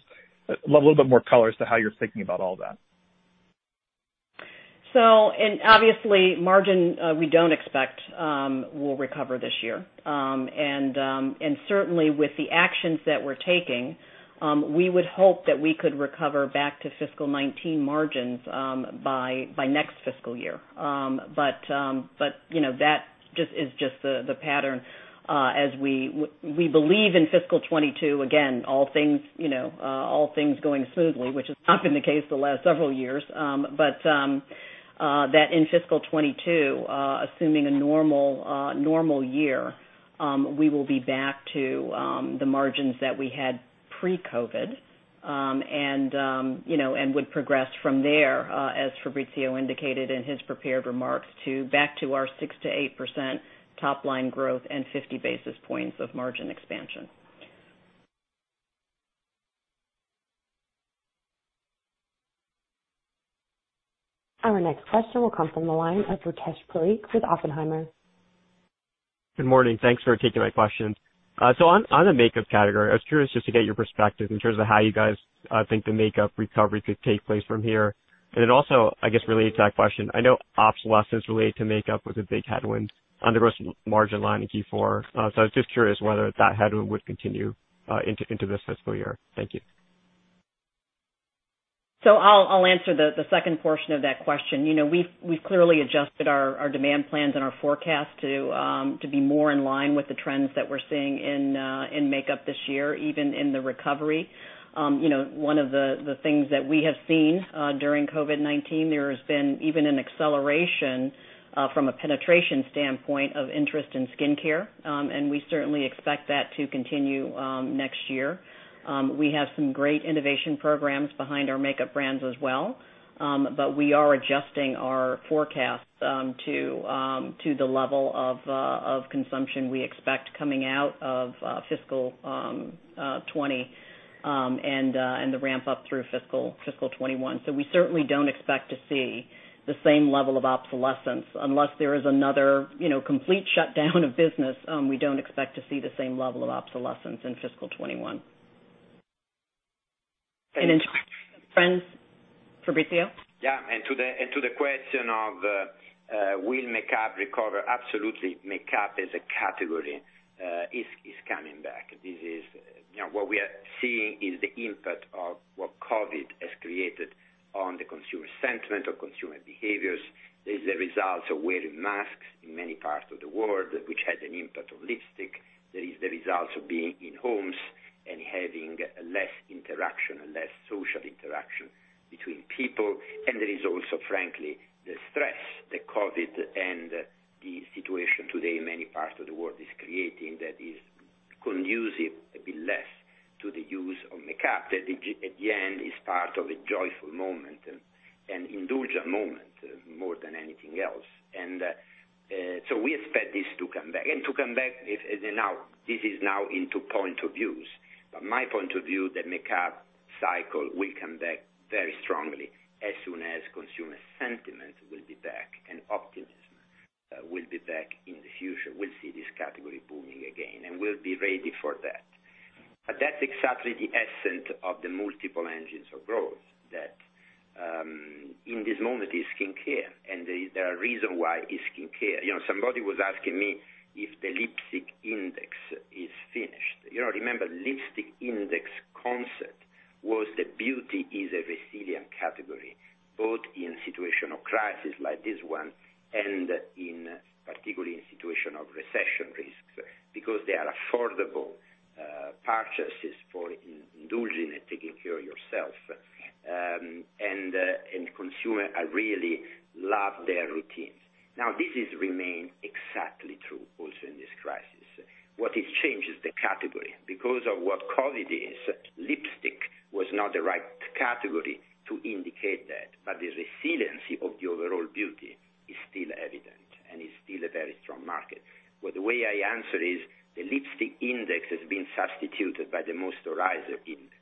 a little bit more color as to how you're thinking about all that? Obviously margin, we don't expect will recover this year. Certainly, with the actions that we're taking, we would hope that we could recover back to fiscal 2019 margins by next fiscal year. That is just the pattern as we believe in fiscal 2022, again, all things going smoothly, which has not been the case the last several years. That in fiscal 2022, assuming a normal year, we will be back to the margins that we had pre-COVID, and would progress from there, as Fabrizio indicated in his prepared remarks, back to our 6%-8% top line growth and 50 basis points of margin expansion. Our next question will come from the line of Rupesh Parikh with Oppenheimer. Good morning. Thanks for taking my questions. On the makeup category, I was curious just to get your perspective in terms of how you guys think the makeup recovery could take place from here? I guess related to that question, I know obsolescence related to makeup was a big headwind on the gross margin line in Q4. I was just curious whether that headwind would continue into this fiscal year? Thank you. I'll answer the second portion of that question. We've clearly adjusted our demand plans and our forecast to be more in line with the trends that we're seeing in makeup this year, even in the recovery. One of the things that we have seen during COVID-19, there has been even an acceleration from a penetration standpoint of interest in skincare, and we certainly expect that to continue next year. We have some great innovation programs behind our makeup brands as well, but we are adjusting our forecast to the level of consumption we expect coming out of fiscal 2020, and the ramp up through fiscal 2021. We certainly don't expect to see the same level of obsolescence. Unless there is another complete shutdown of business, we don't expect to see the same level of obsolescence in fiscal 2021. In turn, Fabrizio? To the question of will makeup recover, absolutely. Makeup as a category is coming back. What we are seeing is the impact of what COVID has created on the consumer sentiment or consumer behaviors is the results of wearing masks in many parts of the world, which has an impact on lipstick. There is the results of being in homes and having less interaction and less social interaction between people. There is also, frankly, the stress that COVID and the situation today in many parts of the world is creating that is conducive, a bit less, to the use of makeup. That, at the end, is part of a joyful moment, an indulgent moment more than anything else. We expect this to come back. To come back, this is now into point of views. My point of view, the makeup cycle will come back very strongly as soon as consumer sentiment will be back, and optimism will be back in the future. We'll see this category booming again, and we'll be ready for that. That's exactly the essence of the multiple engines of growth, that in this moment, it's skincare, and there are reasons why it's skincare. Somebody was asking me if the lipstick index is finished. Remember, lipstick index concept was that beauty is a resilient category, both in situation of crisis like this one, and particularly in situation of recession risks because they are affordable purchases for indulging and taking care of yourself, and consumer really love their routines. This has remained exactly true also in this crisis. What has changed is the category because of what COVID is, lipstick was not the right category to indicate that. The resiliency of the overall beauty is still evident and is still a very strong market. The way I answer is the lipstick index has been substituted by the moisturizer index.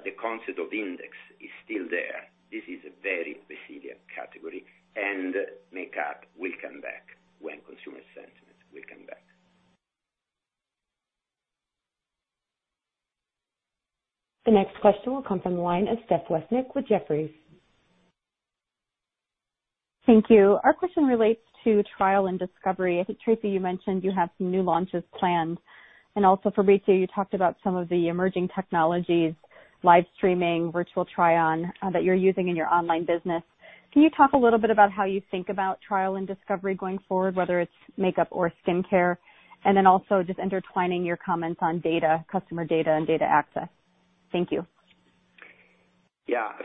The concept of index is still there. This is a very resilient category. Makeup will come back when consumer sentiment will come back. The next question will come from the line of Steph Wissink with Jefferies. Thank you. Our question relates to trial and discovery. I think, Tracey, you mentioned you have some new launches planned. Also Fabrizio, you talked about some of the emerging technologies, live streaming, virtual try-on, that you're using in your online business. Can you talk a little bit about how you think about trial and discovery going forward, whether it's makeup or skincare? Then also just intertwining your comments on data, customer data and data access. Thank you.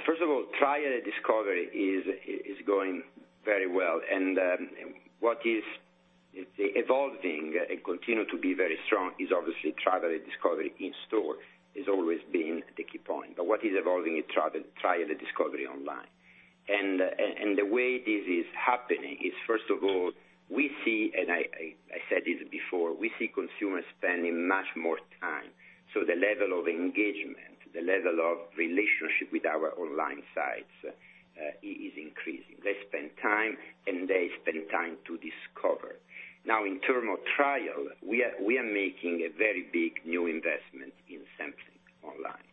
First of all, trial and discovery is going very well, what is evolving and continue to be very strong is obviously trial and discovery in store has always been the key point. What is evolving is trial and discovery online. The way this is happening is, first of all, we see, and I said it before, we see consumers spending much more time. The level of engagement, the level of relationship with our online sites is increasing. They spend time, and they spend time to discover. Now, in term of trial, we are making a very big new investment in sampling online.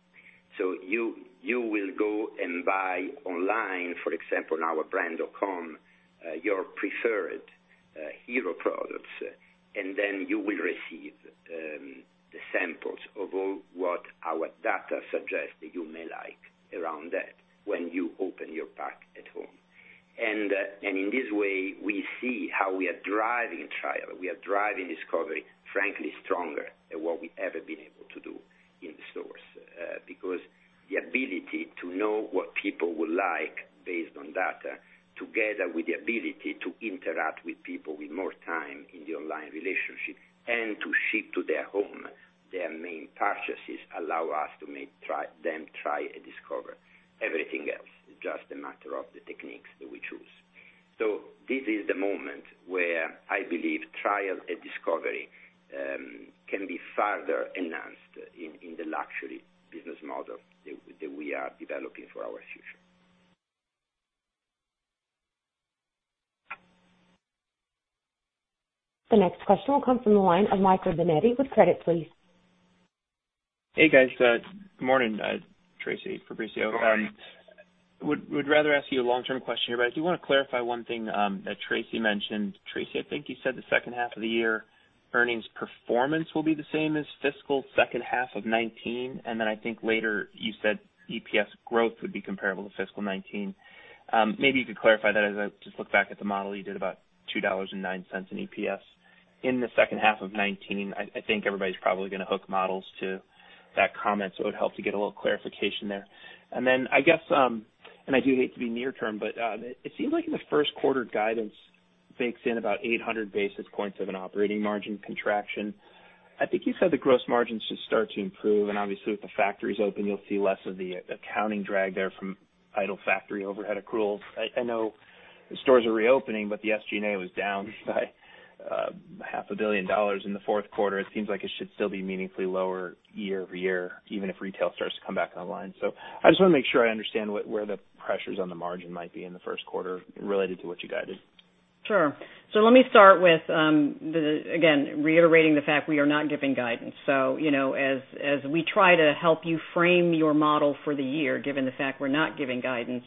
You will go and buy online, for example, on our brand.com, your preferred hero products, and then you will receive the samples of all what our data suggests that you may like around that when you open your pack at home. In this way, we see how we are driving trial, we are driving discovery, frankly, stronger than what we've ever been able to do. The ability to know what people will like based on data, together with the ability to interact with people with more time in the online relationship, and to ship to their home their main purchases, allow us to make them try and discover everything else. It's just a matter of the techniques that we choose. This is the moment where I believe trial and discovery can be further enhanced in the luxury business model that we are developing for our future. The next question will come from the line of Michael Binetti with Credit Suisse. Hey, guys. Good morning, Tracey, Fabrizio. Would rather ask you a long-term question here, but I do want to clarify one thing that Tracey mentioned. Tracey, I think you said the second half of the year earnings performance will be the same as fiscal second half of 2019, and then I think later you said EPS growth would be comparable to fiscal 2019. Maybe you could clarify that as I just look back at the model you did about $2.09 in EPS in the second half of 2019. I think everybody's probably going to hook models to that comment, so it would help to get a little clarification there. I guess, and I do hate to be near term, but it seems like in the first quarter guidance bakes in about 800 basis points of an operating margin contraction. I think you said the gross margins should start to improve, and obviously with the factories open, you'll see less of the accounting drag there from idle factory overhead accruals. I know the stores are reopening, but the SG&A was down by half a billion dollars in the fourth quarter. It seems like it should still be meaningfully lower year-over-year, even if retail starts to come back online. I just want to make sure I understand where the pressures on the margin might be in the first quarter related to what you guided. Sure. Let me start with, again, reiterating the fact we are not giving guidance. As we try to help you frame your model for the year, given the fact we're not giving guidance,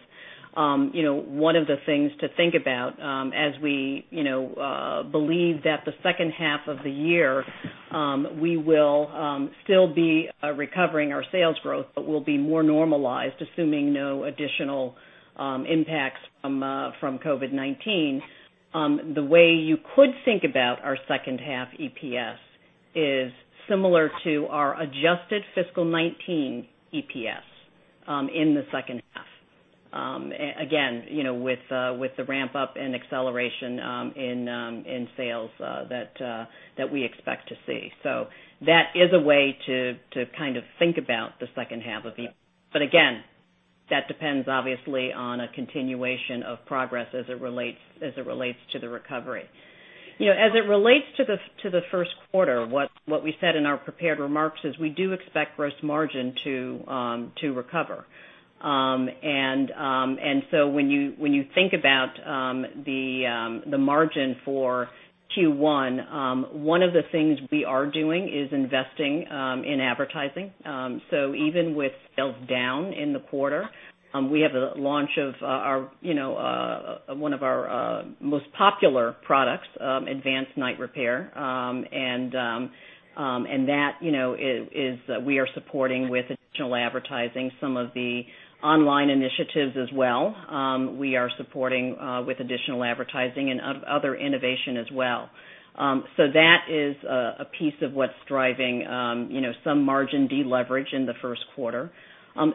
one of the things to think about, as we believe that the second half of the year, we will still be recovering our sales growth, but will be more normalized, assuming no additional impacts from COVID-19. The way you could think about our second half EPS is similar to our adjusted fiscal 2019 EPS, in the second half. Again, with the ramp up and acceleration in sales that we expect to see. That is a way to think about the second half of the year. Again, that depends obviously on a continuation of progress as it relates to the recovery. As it relates to the first quarter, what we said in our prepared remarks is we do expect gross margin to recover. When you think about the margin for Q1, one of the things we are doing is investing in advertising. Even with sales down in the quarter, we have the launch of one of our most popular products, Advanced Night Repair. That we are supporting with additional advertising some of the online initiatives as well. We are supporting with additional advertising and other innovation as well. That is a piece of what's driving some margin deleverage in the first quarter.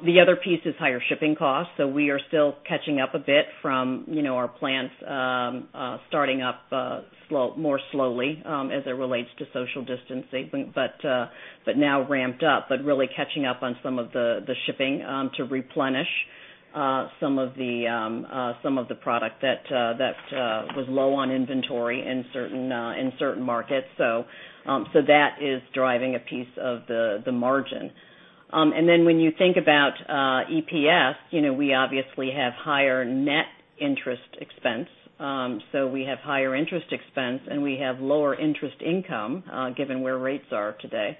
The other piece is higher shipping costs. We are still catching up a bit from our plants starting up more slowly as it relates to social distancing, but now ramped up, but really catching up on some of the shipping to replenish some of the product that was low on inventory in certain markets. That is driving a piece of the margin. When you think about EPS, we obviously have higher net interest expense. We have higher interest expense, and we have lower interest income, given where rates are today.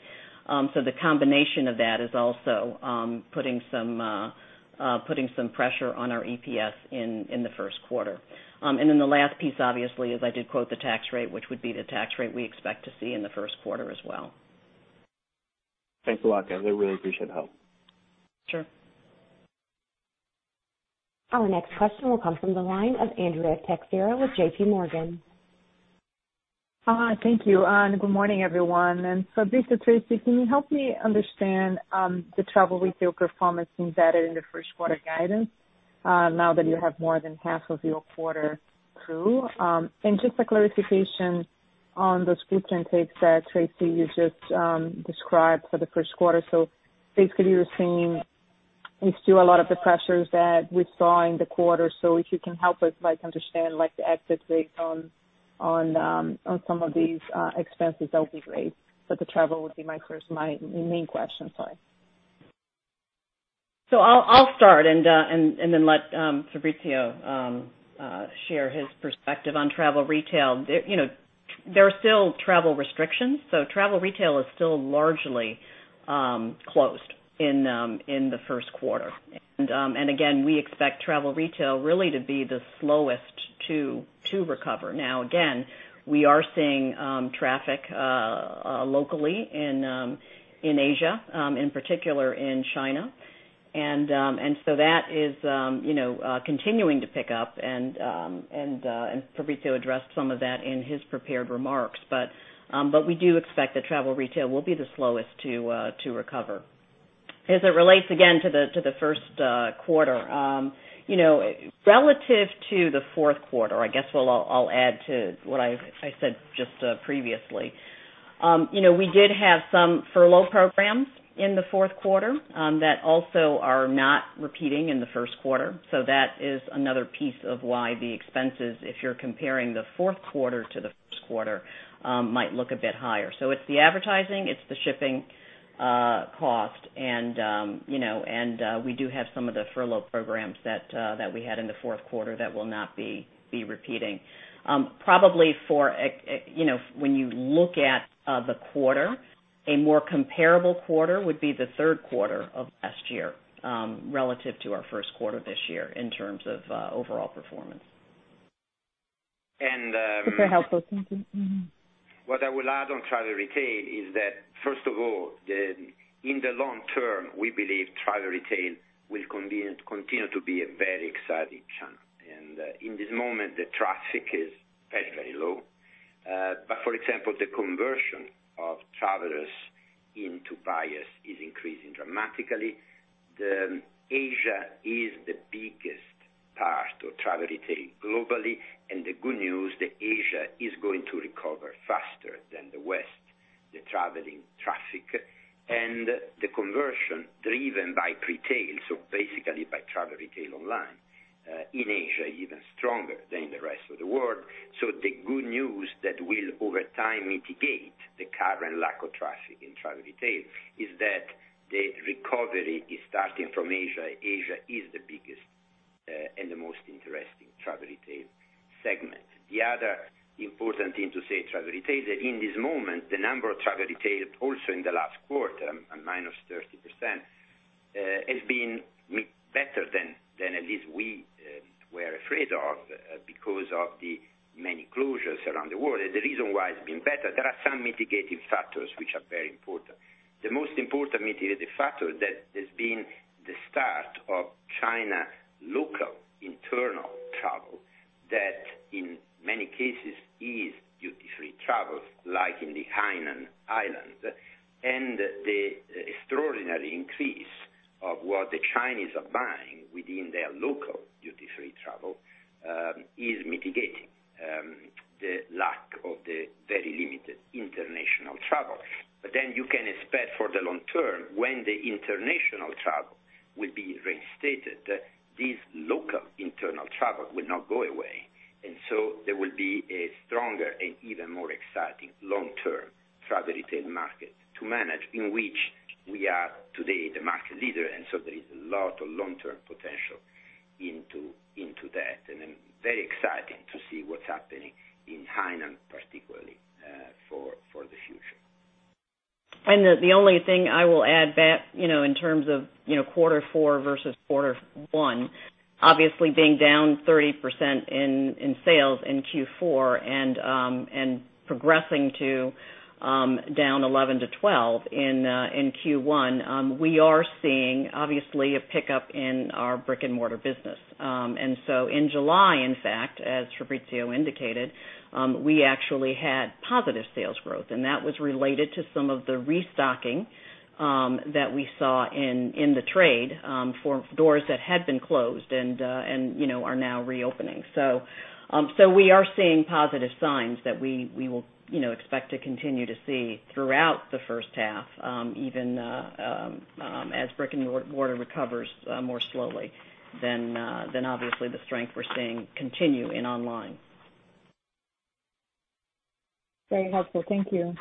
The combination of that is also putting some pressure on our EPS in the first quarter. The last piece, obviously, as I did quote the tax rate, which would be the tax rate we expect to see in the first quarter as well. Thanks a lot, guys. I really appreciate the help. Sure. Our next question will come from the line of Andrea Teixeira with JPMorgan. Thank you, good morning, everyone. Fabrizio, Tracey, can you help me understand the travel retail performance embedded in the first quarter guidance now that you have more than half of your quarter through? Just a clarification on the [restrictions] that, Tracey you, just described for the first quarter. Basically, you're seeing still a lot of the pressures that we saw in the quarter. If you can help us understand the exit date on some of these expenses, that would be great. The travel would be my main question. Sorry. I'll start and then let Fabrizio share his perspective on travel retail. There are still travel restrictions, so travel retail is still largely closed in the first quarter. Again, we expect travel retail really to be the slowest to recover. Again, we are seeing traffic locally in Asia, in particular in China. That is continuing to pick up, and Fabrizio addressed some of that in his prepared remarks. We do expect that travel retail will be the slowest to recover. As it relates again to the first quarter. Relative to the fourth quarter, I guess I'll add to what I said just previously. We did have some furlough programs in the fourth quarter that also are not repeating in the first quarter. That is another piece of why the expenses, if you're comparing the fourth quarter to the first quarter, might look a bit higher. It's the advertising, it's the shipping cost, and we do have some of the furlough programs that we had in the fourth quarter that will not be repeating. Probably when you look at the quarter, a more comparable quarter would be the third quarter of last year relative to our first quarter this year in terms of overall performance. That's very helpful. Thank you. What I will add on travel retail is that, first of all, in the long term, we believe travel retail will continue to be a very exciting channel. In this moment, the traffic is very low. For example, the conversion of travelers into buyers is increasing dramatically. Asia is the biggest part of travel retail globally, the good news, that Asia is going to recover faster than the West, the traveling traffic. The conversion driven by pre-tail, so basically by travel retail online, in Asia, even stronger than the rest of the world. The good news that will over time mitigate the current lack of traffic in travel retail is that the recovery is starting from Asia. Asia is the biggest and the most interesting travel retail segment. The other important thing to say travel retail, that in this moment, the number of travel retail also in the last quarter, a -30%, has been better than at least we were afraid of because of the many closures around the world. The reason why it's been better, there are some mitigating factors which are very important. The most important mitigating factor that has been the start of China local internal travel, that in many cases is duty-free travel, like in the Hainan Island. The extraordinary increase of what the Chinese are buying within their local duty-free travel, is mitigating the lack of the very limited international travel. You can expect for the long term, when the international travel will be reinstated, this local internal travel will not go away. There will be a stronger and even more exciting long-term travel retail market to manage, in which we are today the market leader, and so there is a lot of long-term potential into that. I'm very excited to see what's happening in Hainan, particularly, for the future. The only thing I will add [to that], in terms of quarter four versus quarter one, obviously being down 30% in sales in Q4 and progressing to down 11%-12% in Q1, we are seeing, obviously, a pickup in our brick-and-mortar business. In July, in fact, as Fabrizio indicated, we actually had positive sales growth, and that was related to some of the restocking that we saw in the trade for doors that had been closed and are now reopening. We are seeing positive signs that we will expect to continue to see throughout the first half, even as brick-and-mortar recovers more slowly than obviously the strength we're seeing continue in online. Very helpful. Thank you.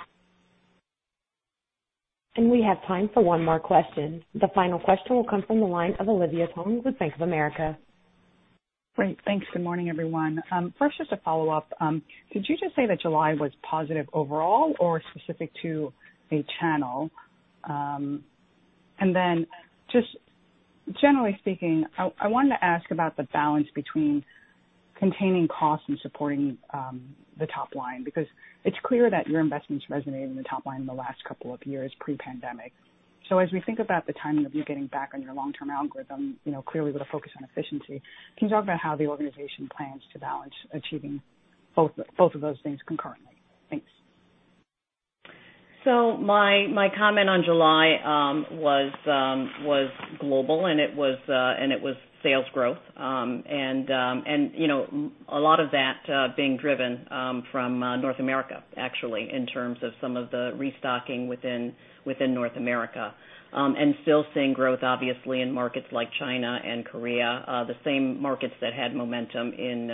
We have time for one more question. The final question will come from the line of Olivia Tong with Bank of America. Great. Thanks. Good morning, everyone. First, just a follow-up. Did you just say that July was positive overall or specific to a channel? Just generally speaking, I wanted to ask about the balance between containing costs and supporting the top line, because it's clear that your investments resonated in the top line in the last couple of years pre-pandemic. As we think about the timing of you getting back on your long-term algorithm, clearly with a focus on efficiency, can you talk about how the organization plans to balance achieving both of those things concurrently? Thanks. My comment on July was global, and it was sales growth. A lot of that being driven from North America, actually, in terms of some of the restocking within North America. Still seeing growth, obviously, in markets like China and Korea. The same markets that had momentum in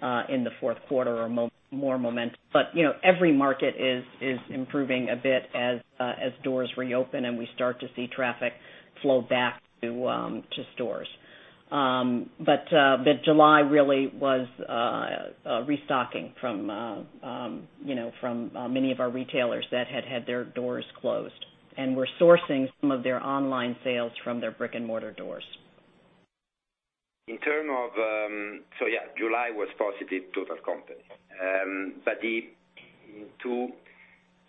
the fourth quarter are more momentum. Every market is improving a bit as doors reopen and we start to see traffic flow back to stores. July really was restocking from many of our retailers that had had their doors closed and were sourcing some of their online sales from their brick-and-mortar doors. Yeah, July was positive total company.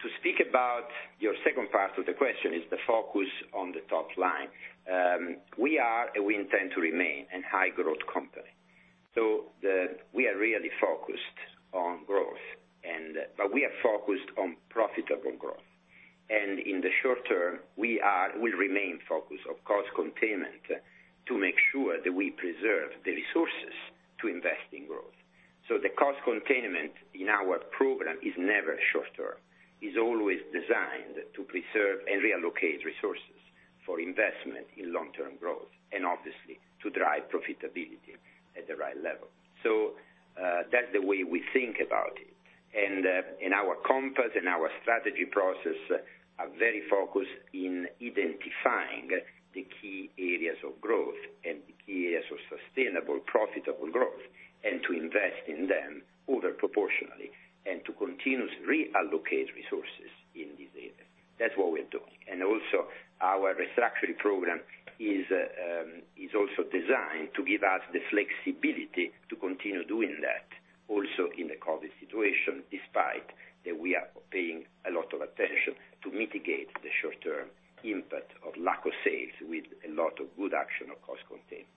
To speak about your second part of the question, is the focus on the top line. We are, and we intend to remain, a high growth company. We are really focused on growth, but we are focused on profitable growth. In the short term, we will remain focused on cost containment to make sure that we preserve the resources to invest in growth. The cost containment in our program is never short term, is always designed to preserve and reallocate resources for investment in long-term growth, and obviously, to drive profitability at the right level. That's the way we think about it. Our compass and our strategy process are very focused in identifying the key areas of growth and the key areas of sustainable, profitable growth, and to invest in them over proportionally, and to continuously reallocate resources in these areas. That is what we are doing. Also, our restructuring program is also designed to give us the flexibility to continue doing that also in the COVID situation, despite that we are paying a lot of attention to mitigate the short-term impact of lack of sales with a lot of good action of cost containment.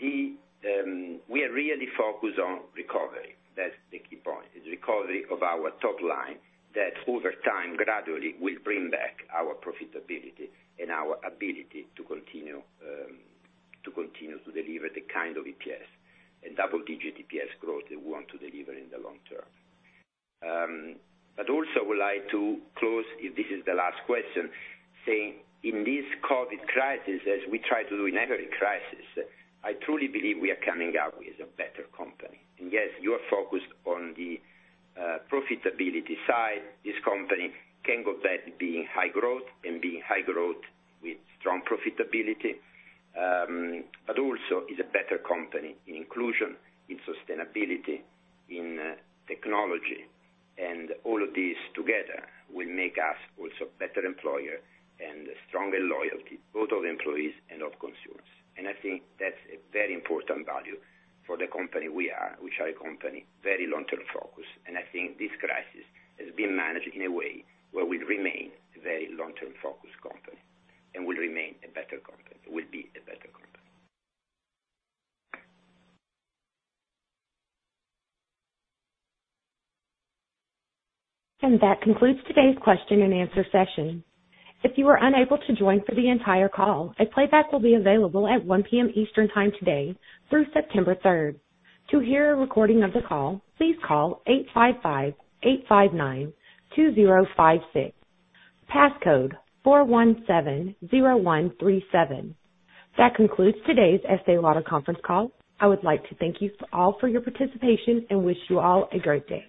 We are really focused on recovery. That is the key point, is recovery of our top line, that over time, gradually will bring back our profitability and our ability to continue to deliver the kind of EPS and double-digit EPS growth that we want to deliver in the long term. Also would like to close, if this is the last question, saying, in this COVID crisis, as we try to do in every crisis, I truly believe we are coming out with a better company. Yes, you are focused on the profitability side. This company can go back to being high growth, and being high growth with strong profitability, but also is a better company in inclusion, in sustainability, in technology. All of this together will make us also a better employer and stronger loyalty, both of employees and of consumers. I think that's a very important value for the company we are, which are a company very long-term focused. I think this crisis has been managed in a way where we'll remain a very long-term focused company, and we'll remain a better company. We'll be a better company. That concludes today's question and answer session. That concludes today's Estée Lauder conference call. I would like to thank you all for your participation, and wish you all a great day.